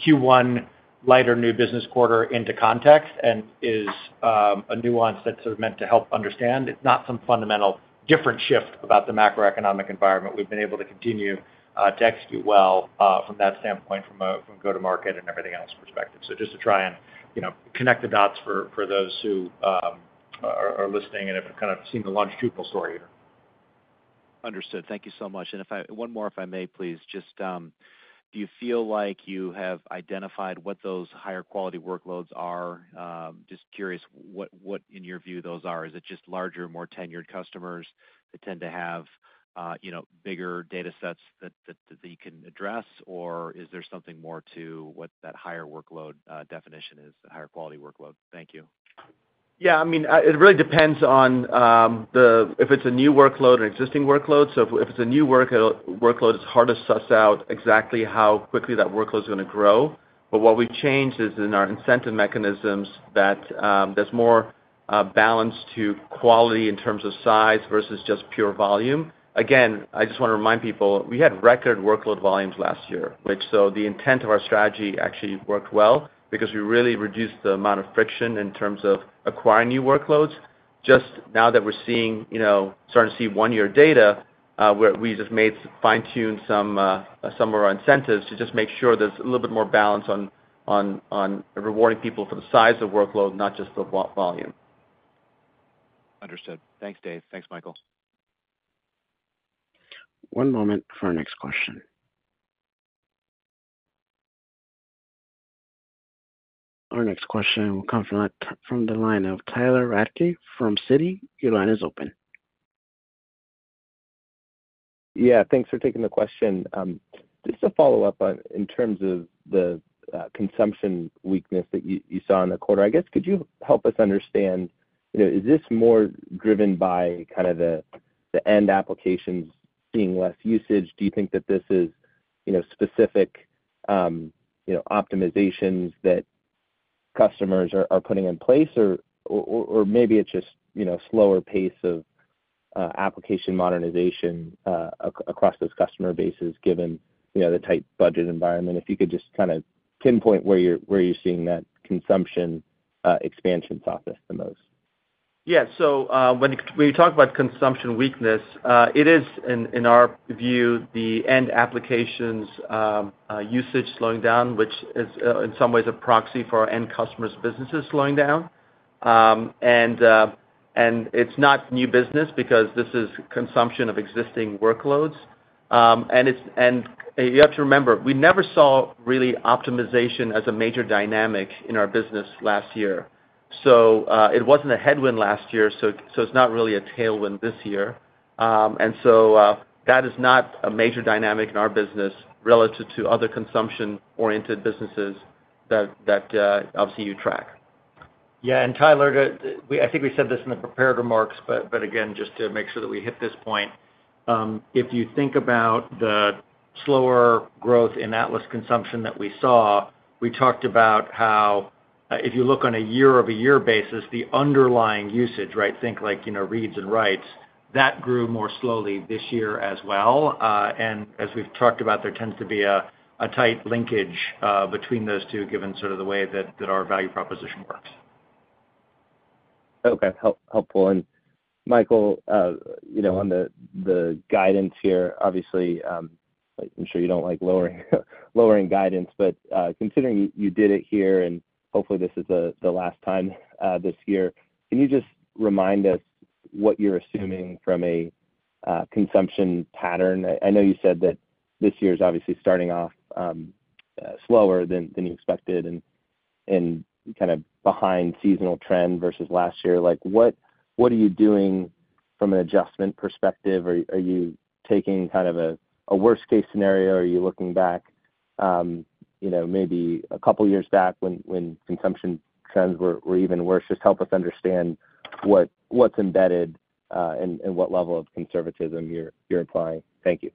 Q1 lighter new business quarter into context, and is a nuance that's sort of meant to help understand. It's not some fundamental different shift about the macroeconomic environment. We've been able to continue to execute well from that standpoint, from a go-to-market and everything else perspective. So just to try and, you know, connect the dots for those who are listening and have kind of seen the launch twofold story here. Understood. Thank you so much. And one more, if I may, please. Just, do you feel like you have identified what those higher quality workloads are? Just curious what, what in your view, those are. Is it just larger, more tenured customers that tend to have, you know, bigger data sets that, that you can address or is there something more to what that higher workload definition is, the higher quality workload? Thank you. Yeah, I mean, it really depends if it's a new workload or existing workload. So if it's a new workload, it's hard to suss out exactly how quickly that workload is going to grow. But what we've changed is, in our incentive mechanisms that, there's more balance to quality in terms of size versus just pure volume. Again, I just want to remind people, we had record workload volumes last year, which so the intent of our strategy actually worked well because we really reduced the amount of friction in terms of acquiring new workloads. Just now that we're seeing, you know, starting to see one-year data, where we just made fine-tune some some of our incentives to just make sure there's a little bit more balance on rewarding people for the size of workload, not just the volume. Understood. Thanks, Dev. Thanks, Michael. One moment for our next question. Our next question will come from the line of Tyler Radke from Citi. Your line is open. Yeah, thanks for taking the question. Just to follow up on, in terms of the consumption weakness that you saw in the quarter. Could you help us understand, you know, is this more driven by kind of the end applications seeing less usage? Do you think that this is, you know, specific optimizations that customers are putting in place? Or maybe it's just, you know, slower pace of application modernization across those customer bases, given, you know, the tight budget environment. If you could just kind of pinpoint where you're seeing that consumption expansion softness the most. Yeah. So, when you, when you talk about consumption weakness, it is, in our view, the end applications, usage slowing down, which is, in some ways a proxy for our end customers' businesses slowing down. And it's not new business, because this is consumption of existing workloads. And you have to remember, we never saw really optimization as a major dynamic in our business last year. So, it wasn't a headwind last year, so, so it's not really a tailwind this year. And so, that is not a major dynamic in our business relative to other consumption-oriented businesses that, that, obviously, you track. Yeah, and Tyler, I think we said this in the prepared remarks, but again, just to make sure that we hit this point. If you think about the slower growth in Atlas consumption that we saw, we talked about how, if you look on a year-over-year basis, the underlying usage, right? Think like, you know, reads and writes, that grew more slowly this year as well. And as we've talked about, there tends to be a tight linkage between those two, given sort of the way that our value proposition works. Okay, helpful. And Michael, you know, on the guidance here, obviously, I'm sure you don't like lowering guidance, but considering you did it here, and hopefully this is the last time this year, can you just remind us what you're assuming from a consumption pattern? I know you said that this year is obviously starting off slower than you expected and kind of behind seasonal trend versus last year. Like, what are you doing from an adjustment perspective? Are you taking kind of a worst case scenario, or are you looking back, you know, maybe a couple years back when consumption trends were even worse? Just help us understand what's embedded and what level of conservatism you're implying. Thank you.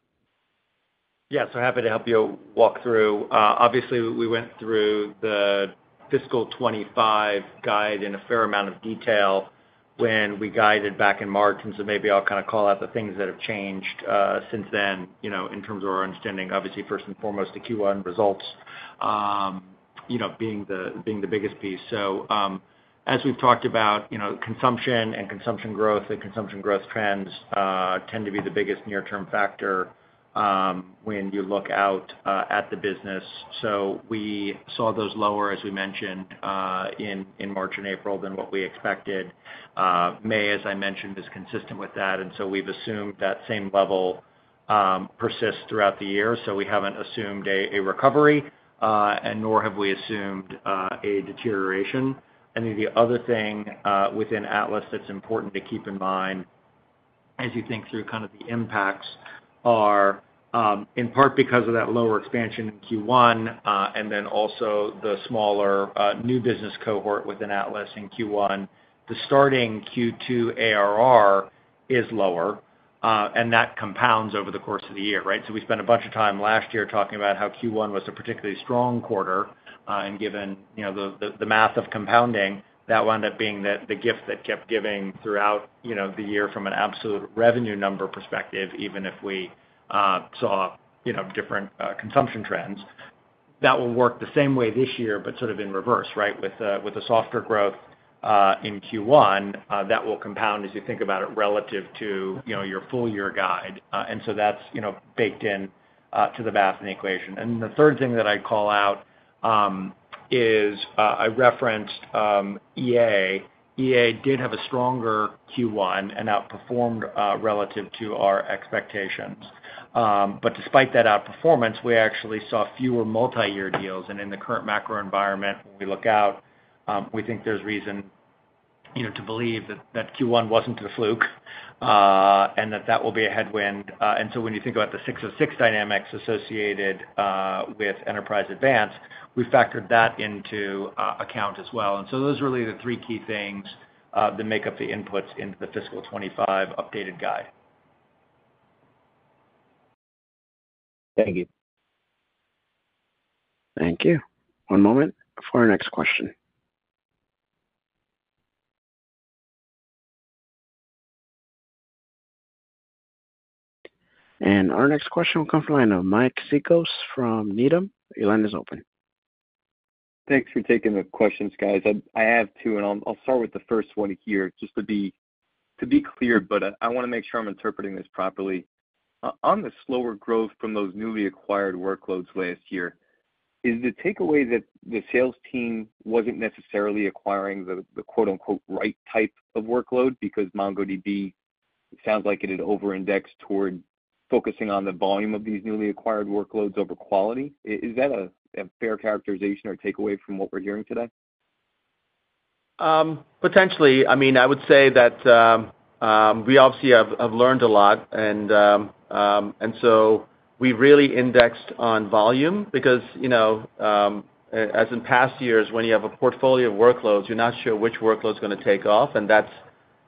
Yeah, so happy to help you walk through. Obviously, we went through the Fiscal 2025 guide in a fair amount of detail when we guided back in March, and so maybe I'll kind of call out the things that have changed, since then, you know, in terms of our understanding. Obviously, first and foremost, the Q1 results, you know, being the biggest piece. So, as we've talked about, you know, consumption and consumption growth and consumption growth trends, tend to be the biggest near-term factor, when you look out, at the business. So we saw those lower, as we mentioned, in March and April, than what we expected. May, as I mentioned, is consistent with that, and so we've assumed that same level persist throughout the year, so we haven't assumed a, a recovery, and nor have we assumed, a deterioration. I think the other thing, within Atlas that's important to keep in mind, as you think through kind of the impacts, are, in part because of that lower expansion in Q1, and then also the smaller, new business cohort within Atlas in Q1, the starting Q2 ARR is lower, and that compounds over the course of the year, right? So we spent a bunch of time last year talking about how Q1 was a particularly strong quarter, and given, you know, the math of compounding, that wound up being the gift that kept giving throughout, you know, the year from an absolute revenue number perspective, even if we saw, you know, different consumption trends. That will work the same way this year, but sort of in reverse, right? With the softer growth in Q1, that will compound, as you think about it, relative to, you know, your full year guide. And so that's, you know, baked in to the math in the equation. And the third thing that I'd call out is I referenced EA. EA did have a stronger Q1 and outperformed relative to our expectations. But despite that outperformance, we actually saw fewer multi-year deals, and in the current macro environment, when we look out, we think there's reason, you know, to believe that that Q1 wasn't a fluke, and that that will be a headwind. And so when you think about the six of six dynamics associated with Enterprise Advanced, we factored that into account as well. And so those are really the three key things that make up the inputs into the Fiscal 2025 updated guide. Thank you. Thank you. One moment before our next question. Our next question will come from the line of Mike Cikos from Needham. Your line is open. Thanks for taking the questions, guys. I have two, and I'll start with the first one here, just to be clear, but I want to make sure I'm interpreting this properly. On the slower growth from those newly acquired workloads last year, is the takeaway that the sales team wasn't necessarily acquiring the "right type of workload," because MongoDB sounds like it had over-indexed toward focusing on the volume of these newly acquired workloads over quality? Is that a fair characterization or takeaway from what we're hearing today? Potentially. I mean, I would say that, we obviously have learned a lot, and, and so we really indexed on volume because, you know, as in past years, when you have a portfolio of workloads, you're not sure which workload's going to take off, and that's,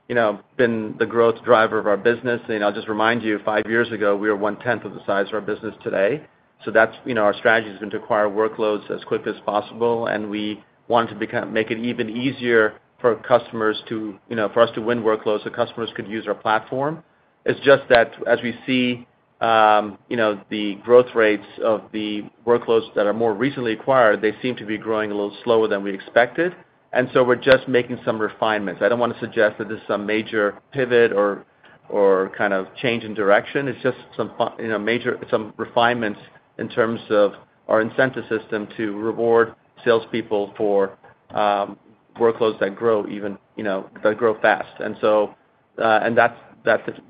you know, been the growth driver of our business. You know, I'll just remind you, five years ago, we were 1/10 of the size of our business today. So that's, you know, our strategy has been to acquire workloads as quick as possible, and we want to become, make it even easier for customers to, you know, for us to win workloads so customers could use our platform. It's just that as we see, you know, the growth rates of the workloads that are more recently acquired, they seem to be growing a little slower than we expected, and so we're just making some refinements. I don't want to suggest that this is some major pivot or kind of change in direction. It's just some, you know, refinements in terms of our incentive system to reward salespeople for workloads that grow even, you know, that grow fast. And so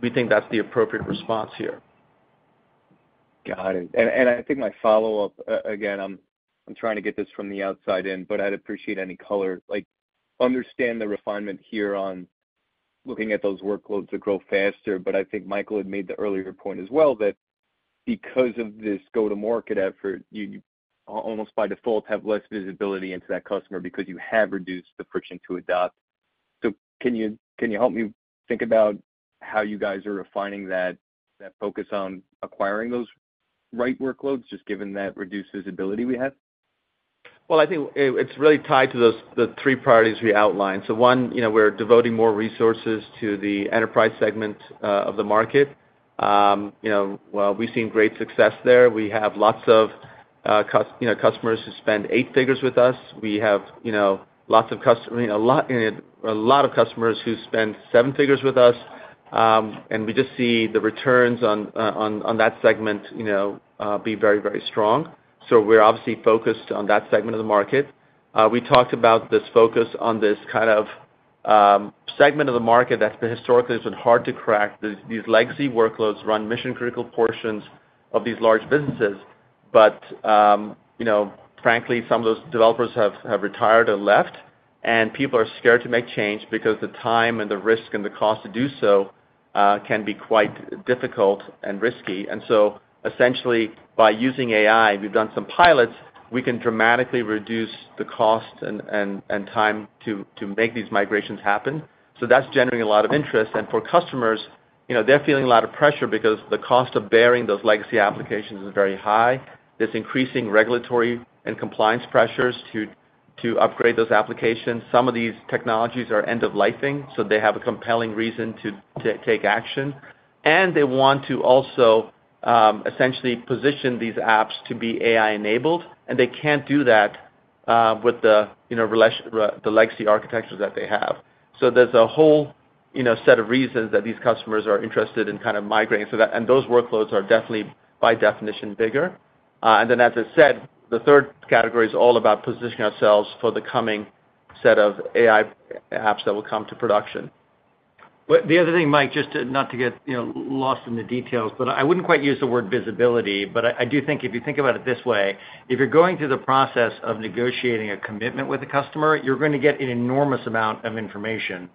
we think that's the appropriate response here. Got it. And I think my follow-up, again, I'm trying to get this from the outside in, but I'd appreciate any color. Like, understand the refinement here on looking at those workloads that grow faster, but I think Michael had made the earlier point as well that because of this go-to-market effort, you almost by default have less visibility into that customer because you have reduced the friction to adopt. So can you help me think about how you guys are refining that focus on acquiring those right workloads, just given that reduced visibility we had? Well, I think it's really tied to those, the three priorities we outlined. So one, you know, we're devoting more resources to the enterprise segment of the market. You know, well, we've seen great success there. We have lots of, you know, customers who spend eight figures with us. We have, you know, a lot of customers who spend seven figures with us. And we just see the returns on, on that segment, you know, be very, very strong. So we're obviously focused on that segment of the market. We talked about this focus on this kind of, segment of the market that's been historically has been hard to crack. These legacy workloads run mission-critical portions of these large businesses, but, you know, frankly, some of those developers have, have retired or left, and people are scared to make change because the time and the risk and the cost to do so, can be quite difficult and risky. Essentially, by using AI, we've done some pilots, we can dramatically reduce the cost and time to make these migrations happen. So that's generating a lot of interest. For customers, you know, they're feeling a lot of pressure because the cost of bearing those legacy applications is very high. There's increasing regulatory and compliance pressures to upgrade those applications. Some of these technologies are end-of-lifing, so they have a compelling reason to take action, and they want to also essentially position these apps to be AI-enabled, and they can't do that with the, you know, the legacy architectures that they have. So there's a whole, you know, set of reasons that these customers are interested in kind of migrating. So that and those workloads are definitely, by definition, bigger. And then, as I said, the third category is all about positioning ourselves for the coming set of AI apps that will come to production. But the other thing, Mike, just to, not to get, you know, lost in the details, but I wouldn't quite use the word visibility. But I, I do think if you think about it this way, if you're going through the process of negotiating a commitment with a customer, you're going to get an enormous amount of information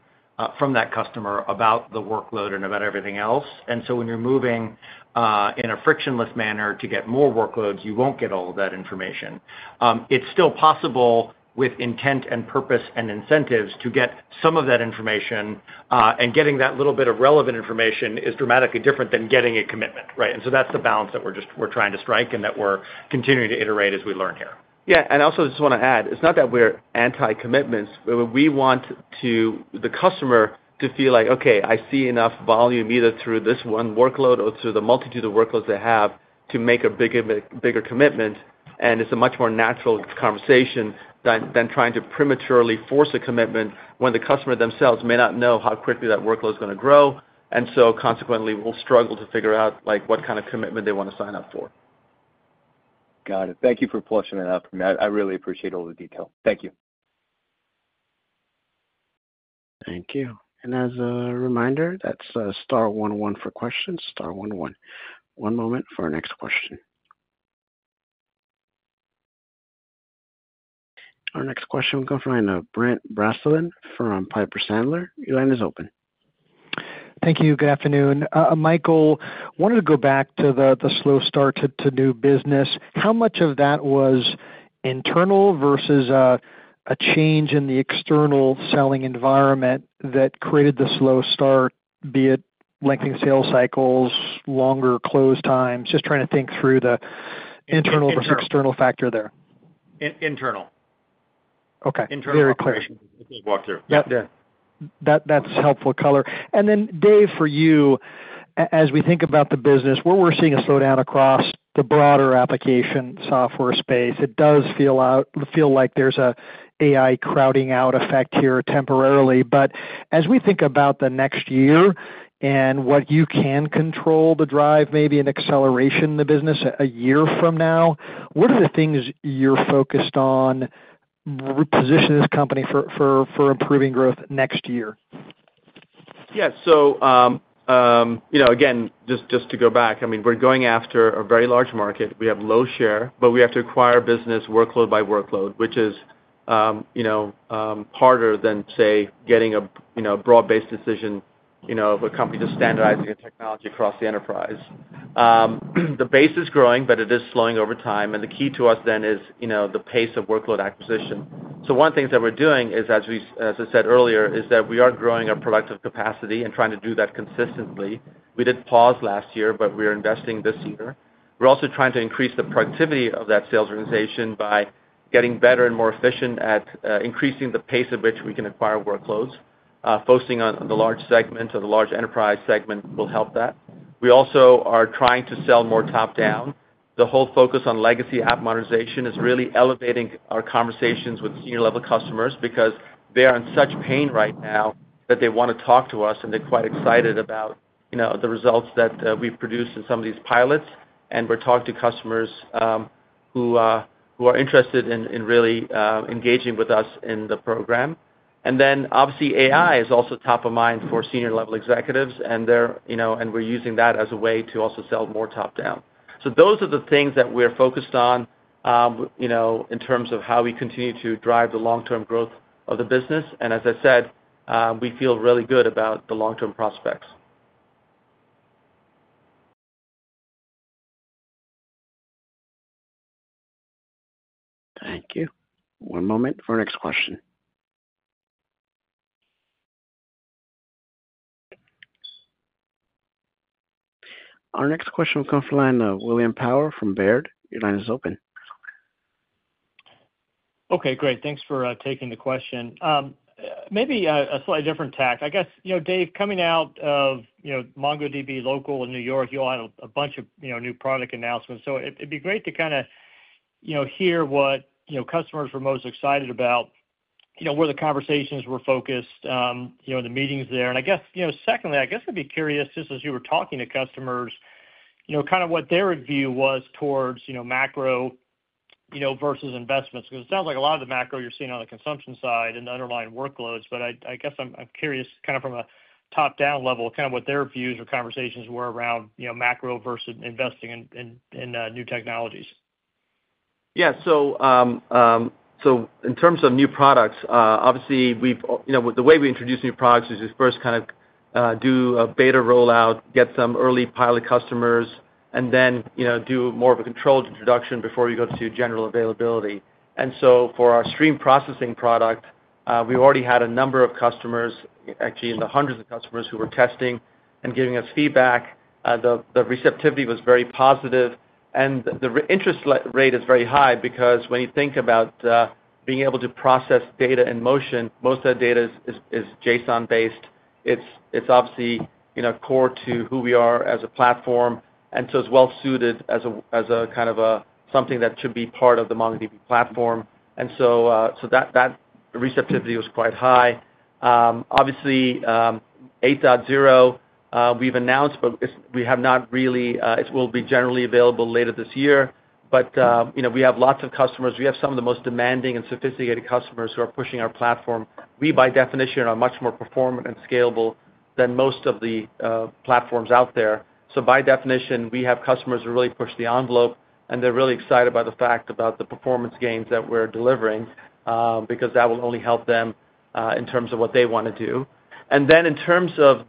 from that customer about the workload and about everything else. And so when you're moving in a frictionless manner to get more workloads, you won't get all of that information. It's still possible, with intent and purpose and incentives, to get some of that information, and getting that little bit of relevant information is dramatically different than getting a commitment, right? And so that's the balance that we're trying to strike and that we're continuing to iterate as we learn here. Yeah, and I also just want to add, it's not that we're anti-commitments, but we want, to the customer to feel like, okay, I see enough volume, either through this one workload or through the multitude of workloads they have, to make a bigger, bigger commitment. And it's a much more natural conversation than, than trying to prematurely force a commitment when the customer themselves may not know how quickly that workload is going to grow, and so consequently, will struggle to figure out, like, what kind of commitment they want to sign up for. Got it. Thank you for pushing that up. I really appreciate all the detail. Thank you. Thank you. As a reminder, that's star one one for questions, star one one. One moment for our next question. Our next question will come from the line of Brent Bracelin from Piper Sandler. Your line is open. Thank you. Good afternoon. Michael, I want to go back to the slow start to new business. How much of that was internal versus a change in the external selling environment that created the slow start, be it lengthening sales cycles, longer close times? Just trying to think through the internal. Internal. Versus external factor there. Internal. Okay. Internal operation. Very clear. Walk through. Yep. Yeah, that, that's helpful color. And then, Dev, for you, as we think about the business, where we're seeing a slowdown across the broader application software space, it does feel like there's an AI crowding out effect here temporarily. But as we think about the next year and what you can control to drive maybe an acceleration in the business a year from now, what are the things you're focused on to position this company for improving growth next year? Yeah. So, you know, again, just to go back, I mean, we're going after a very large market. We have low share, but we have to acquire business workload by workload, which is, you know, harder than, say, getting a, you know, a broad-based decision, you know, of a company just standardizing a technology across the enterprise. The base is growing, but it is slowing over time, and the key to us then is, you know, the pace of workload acquisition. So one of the things that we're doing is, as I said earlier, is that we are growing our productive capacity and trying to do that consistently. We did pause last year, but we are investing this year. We're also trying to increase the productivity of that sales organization by getting better and more efficient at increasing the pace at which we can acquire workloads. Focusing on the large segments or the large enterprise segment will help that. We also are trying to sell more top-down. The whole focus on legacy app modernization is really elevating our conversations with senior-level customers, because they are in such pain right now that they want to talk to us, and they're quite excited about, you know, the results that we've produced in some of these pilots. And we're talking to customers who are interested in really engaging with us in the program. And then obviously, AI is also top of mind for senior-level executives, and they're, you know, and we're using that as a way to also sell more top-down. Those are the things that we're focused on, you know, in terms of how we continue to drive the long-term growth of the business. As I said, we feel really good about the long-term prospects. Thank you. One moment for our next question. Our next question will come from the line of William Power from Baird. Your line is open. Okay, great. Thanks for taking the question. Maybe a slightly different tack. You know, Dev, coming out of, you know, MongoDB Local in New York, you all had a bunch of, you know, new product announcements. So it, it'd be great to kinda, you know, hear what, you know, customers were most excited about, you know, where the conversations were focused, you know, the meetings there. You know, secondly, I guess I'd be curious, just as you were talking to customers, you know, kind of what their view was towards, you know, macro, you know, versus investments. Because it sounds like a lot of the macro you're seeing on the consumption side and the underlying workloads, but I guess I'm curious, kind of from a top-down level, kind of what their views or conversations were around, you know, macro versus investing in new technologies. Yeah. So, in terms of new products, obviously, you know, with the way we introduce new products is first kind of do a beta rollout, get some early pilot customers, and then, you know, do more of a controlled introduction before we go to general availability. So for our stream processing product, we already had a number of customers, actually in the hundreds of customers, who were testing and giving us feedback. The receptivity was very positive, and the interest level is very high because when you think about being able to process data in motion, most of the data is JSON-based. It's obviously, you know, core to who we are as a platform, and so it's well suited as a kind of something that should be part of the MongoDB platform. And so that receptivity was quite high. Obviously, 8.0 we've announced, but we have not really, it will be generally available later this year. But, you know, we have lots of customers. We have some of the most demanding and sophisticated customers who are pushing our platform. We, by definition, are much more performant and scalable than most of the platforms out there. So by definition, we have customers who really push the envelope, and they're really excited about the fact about the performance gains that we're delivering, because that will only help them in terms of what they want to do. And then in terms of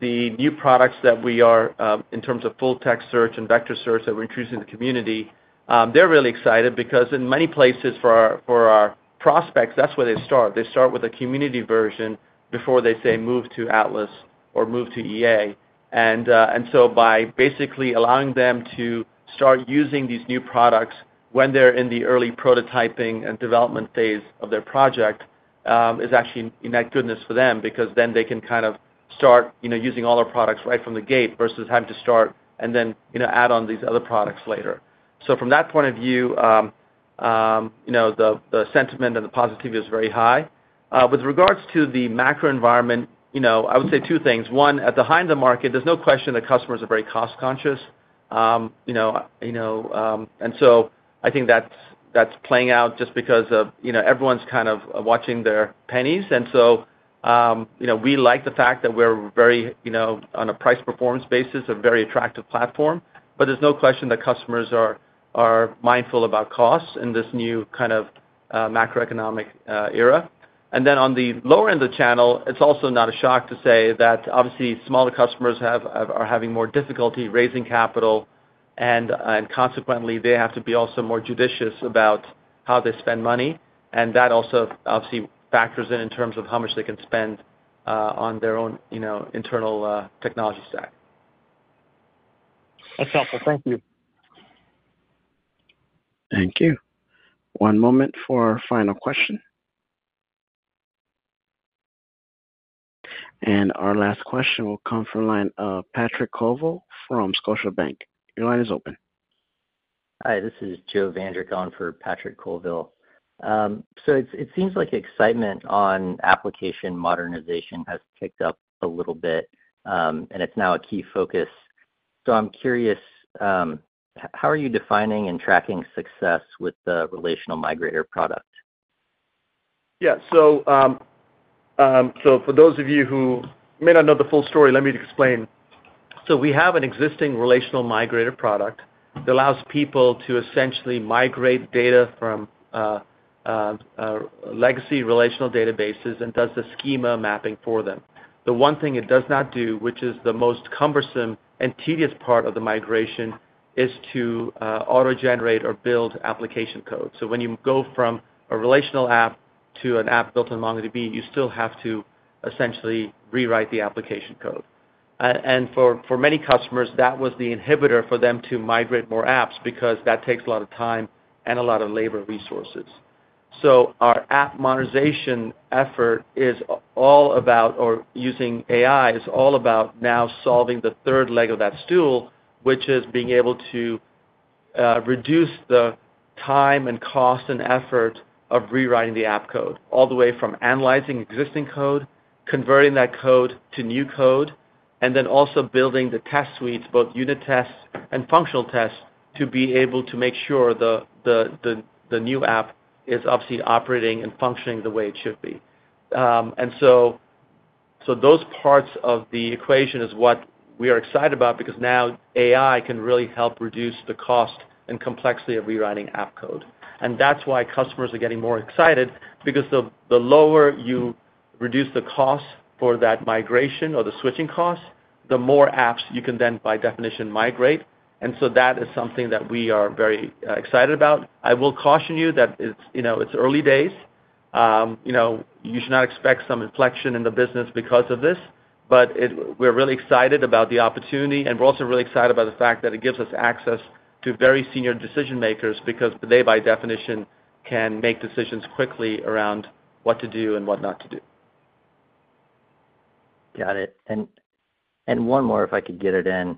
full text search and vector search that we're introducing to the community, they're really excited because in many places, for our prospects, that's where they start. They start with a community version before they, say, move to Atlas or move to EA. And so by basically allowing them to start using these new products when they're in the early prototyping and development phase of their project is actually a net goodness for them because then they can kind of start, you know, using all our products right from the gate versus having to start and then, you know, add on these other products later. So from that point of view, you know, the sentiment and the positivity is very high. With regards to the macro environment, you know, I would say two things. One, at the height of the market, there's no question that customers are very cost conscious. You know, you know, and so I think that's playing out just because of, you know, everyone's kind of watching their pennies. And so, you know, we like the fact that we're very, you know, on a price-performance basis, a very attractive platform. But there's no question that customers are mindful about costs in this new kind of macroeconomic era. And then on the lower end of the channel, it's also not a shock to say that obviously, smaller customers are having more difficulty raising capital, and consequently, they have to be also more judicious about how they spend money, and that also obviously factors in, in terms of how much they can spend on their own, you know, internal technology stack. That's helpful. Thank you. Thank you. One moment for our final question. Our last question will come from the line of Patrick Colville from Scotiabank. Your line is open. Hi, this is Joe Vruwink for Patrick Colville. So it seems like excitement on application modernization has kicked up a little bit, and it's now a key focus. So I'm curious, how are you defining and tracking success with the Relational Migrator product? Yeah. So for those of you who may not know the full story, let me explain. So we have an existing Relational Migrator product that allows people to essentially migrate data from legacy relational databases and does the schema mapping for them. The one thing it does not do, which is the most cumbersome and tedious part of the migration, is to auto-generate or build application code. So when you go from a relational app to an app built in MongoDB, you still have to essentially rewrite the application code. And for many customers, that was the inhibitor for them to migrate more apps because that takes a lot of time and a lot of labor resources. So our app modernization effort is all about or using AI, is all about now solving the third leg of that stool, which is being able to reduce the time and cost and effort of rewriting the app code, all the way from analyzing existing code, converting that code to new code, and then also building the test suites, both unit tests and functional tests, to be able to make sure the new app is obviously operating and functioning the way it should be. And so those parts of the equation is what we are excited about because now AI can really help reduce the cost and complexity of rewriting app code. And that's why customers are getting more excited, because the lower you reduce the cost for that migration or the switching costs, the more apps you can then, by definition, migrate. That is something that we are very excited about. I will caution you that it's, you know, it's early days. You know, you should not expect some inflection in the business because of this. But we're really excited about the opportunity, and we're also really excited about the fact that it gives us access to very senior decision-makers, because they, by definition, can make decisions quickly around what to do and what not to do. Got it. And one more, if I could get it in.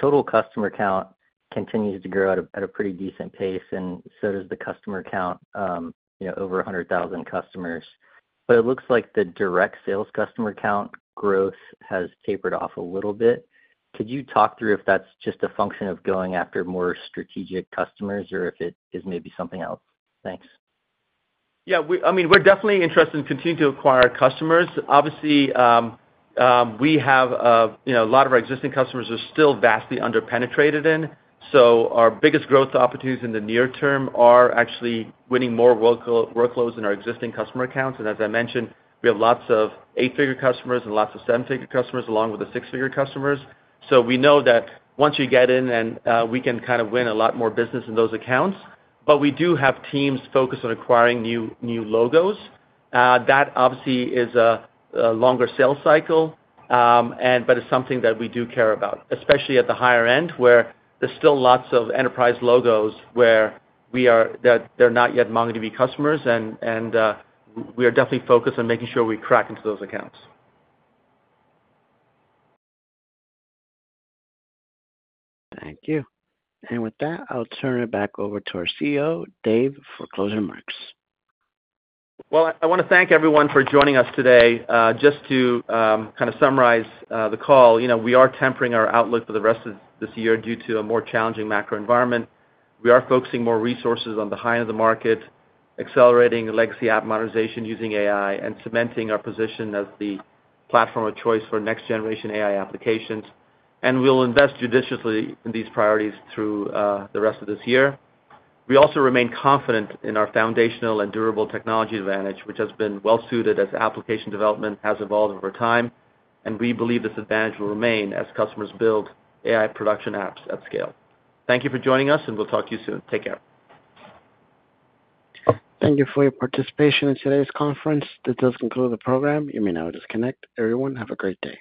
Total customer count continues to grow at a pretty decent pace, and so does the customer count, you know, over 100,000 customers. But it looks like the direct sales customer count growth has tapered off a little bit. Could you talk through if that's just a function of going after more strategic customers or if it is maybe something else? Thanks. Yeah, I mean, we're definitely interested in continuing to acquire customers. Obviously, we have, you know, a lot of our existing customers are still vastly under-penetrated in, so our biggest growth opportunities in the near term are actually winning more workloads in our existing customer accounts. And as I mentioned, we have lots of eight-figure customers and lots of seven-figure customers, along with the six-figure customers. So we know that once you get in and, we can kind of win a lot more business in those accounts. But we do have teams focused on acquiring new logos. That obviously is a longer sales cycle, but it's something that we do care about, especially at the higher end, where there's still lots of enterprise logos where we are, that they're not yet MongoDB customers, and we are definitely focused on making sure we crack into those accounts. Thank you. With that, I'll turn it back over to our CEO, Dev, for closing remarks. Well, I want to thank everyone for joining us today. Just to kind of summarize the call, you know, we are tempering our outlook for the rest of this year due to a more challenging macro environment. We are focusing more resources on the high end of the market, accelerating legacy app modernization using AI, and cementing our position as the platform of choice for next-generation AI applications. We'll invest judiciously in these priorities through the rest of this year. We also remain confident in our foundational and durable technology advantage, which has been well suited as application development has evolved over time, and we believe this advantage will remain as customers build AI production apps at scale. Thank you for joining us, and we'll talk to you soon. Take care. Thank you for your participation in today's conference. This does conclude the program. You may now disconnect. Everyone, have a great day.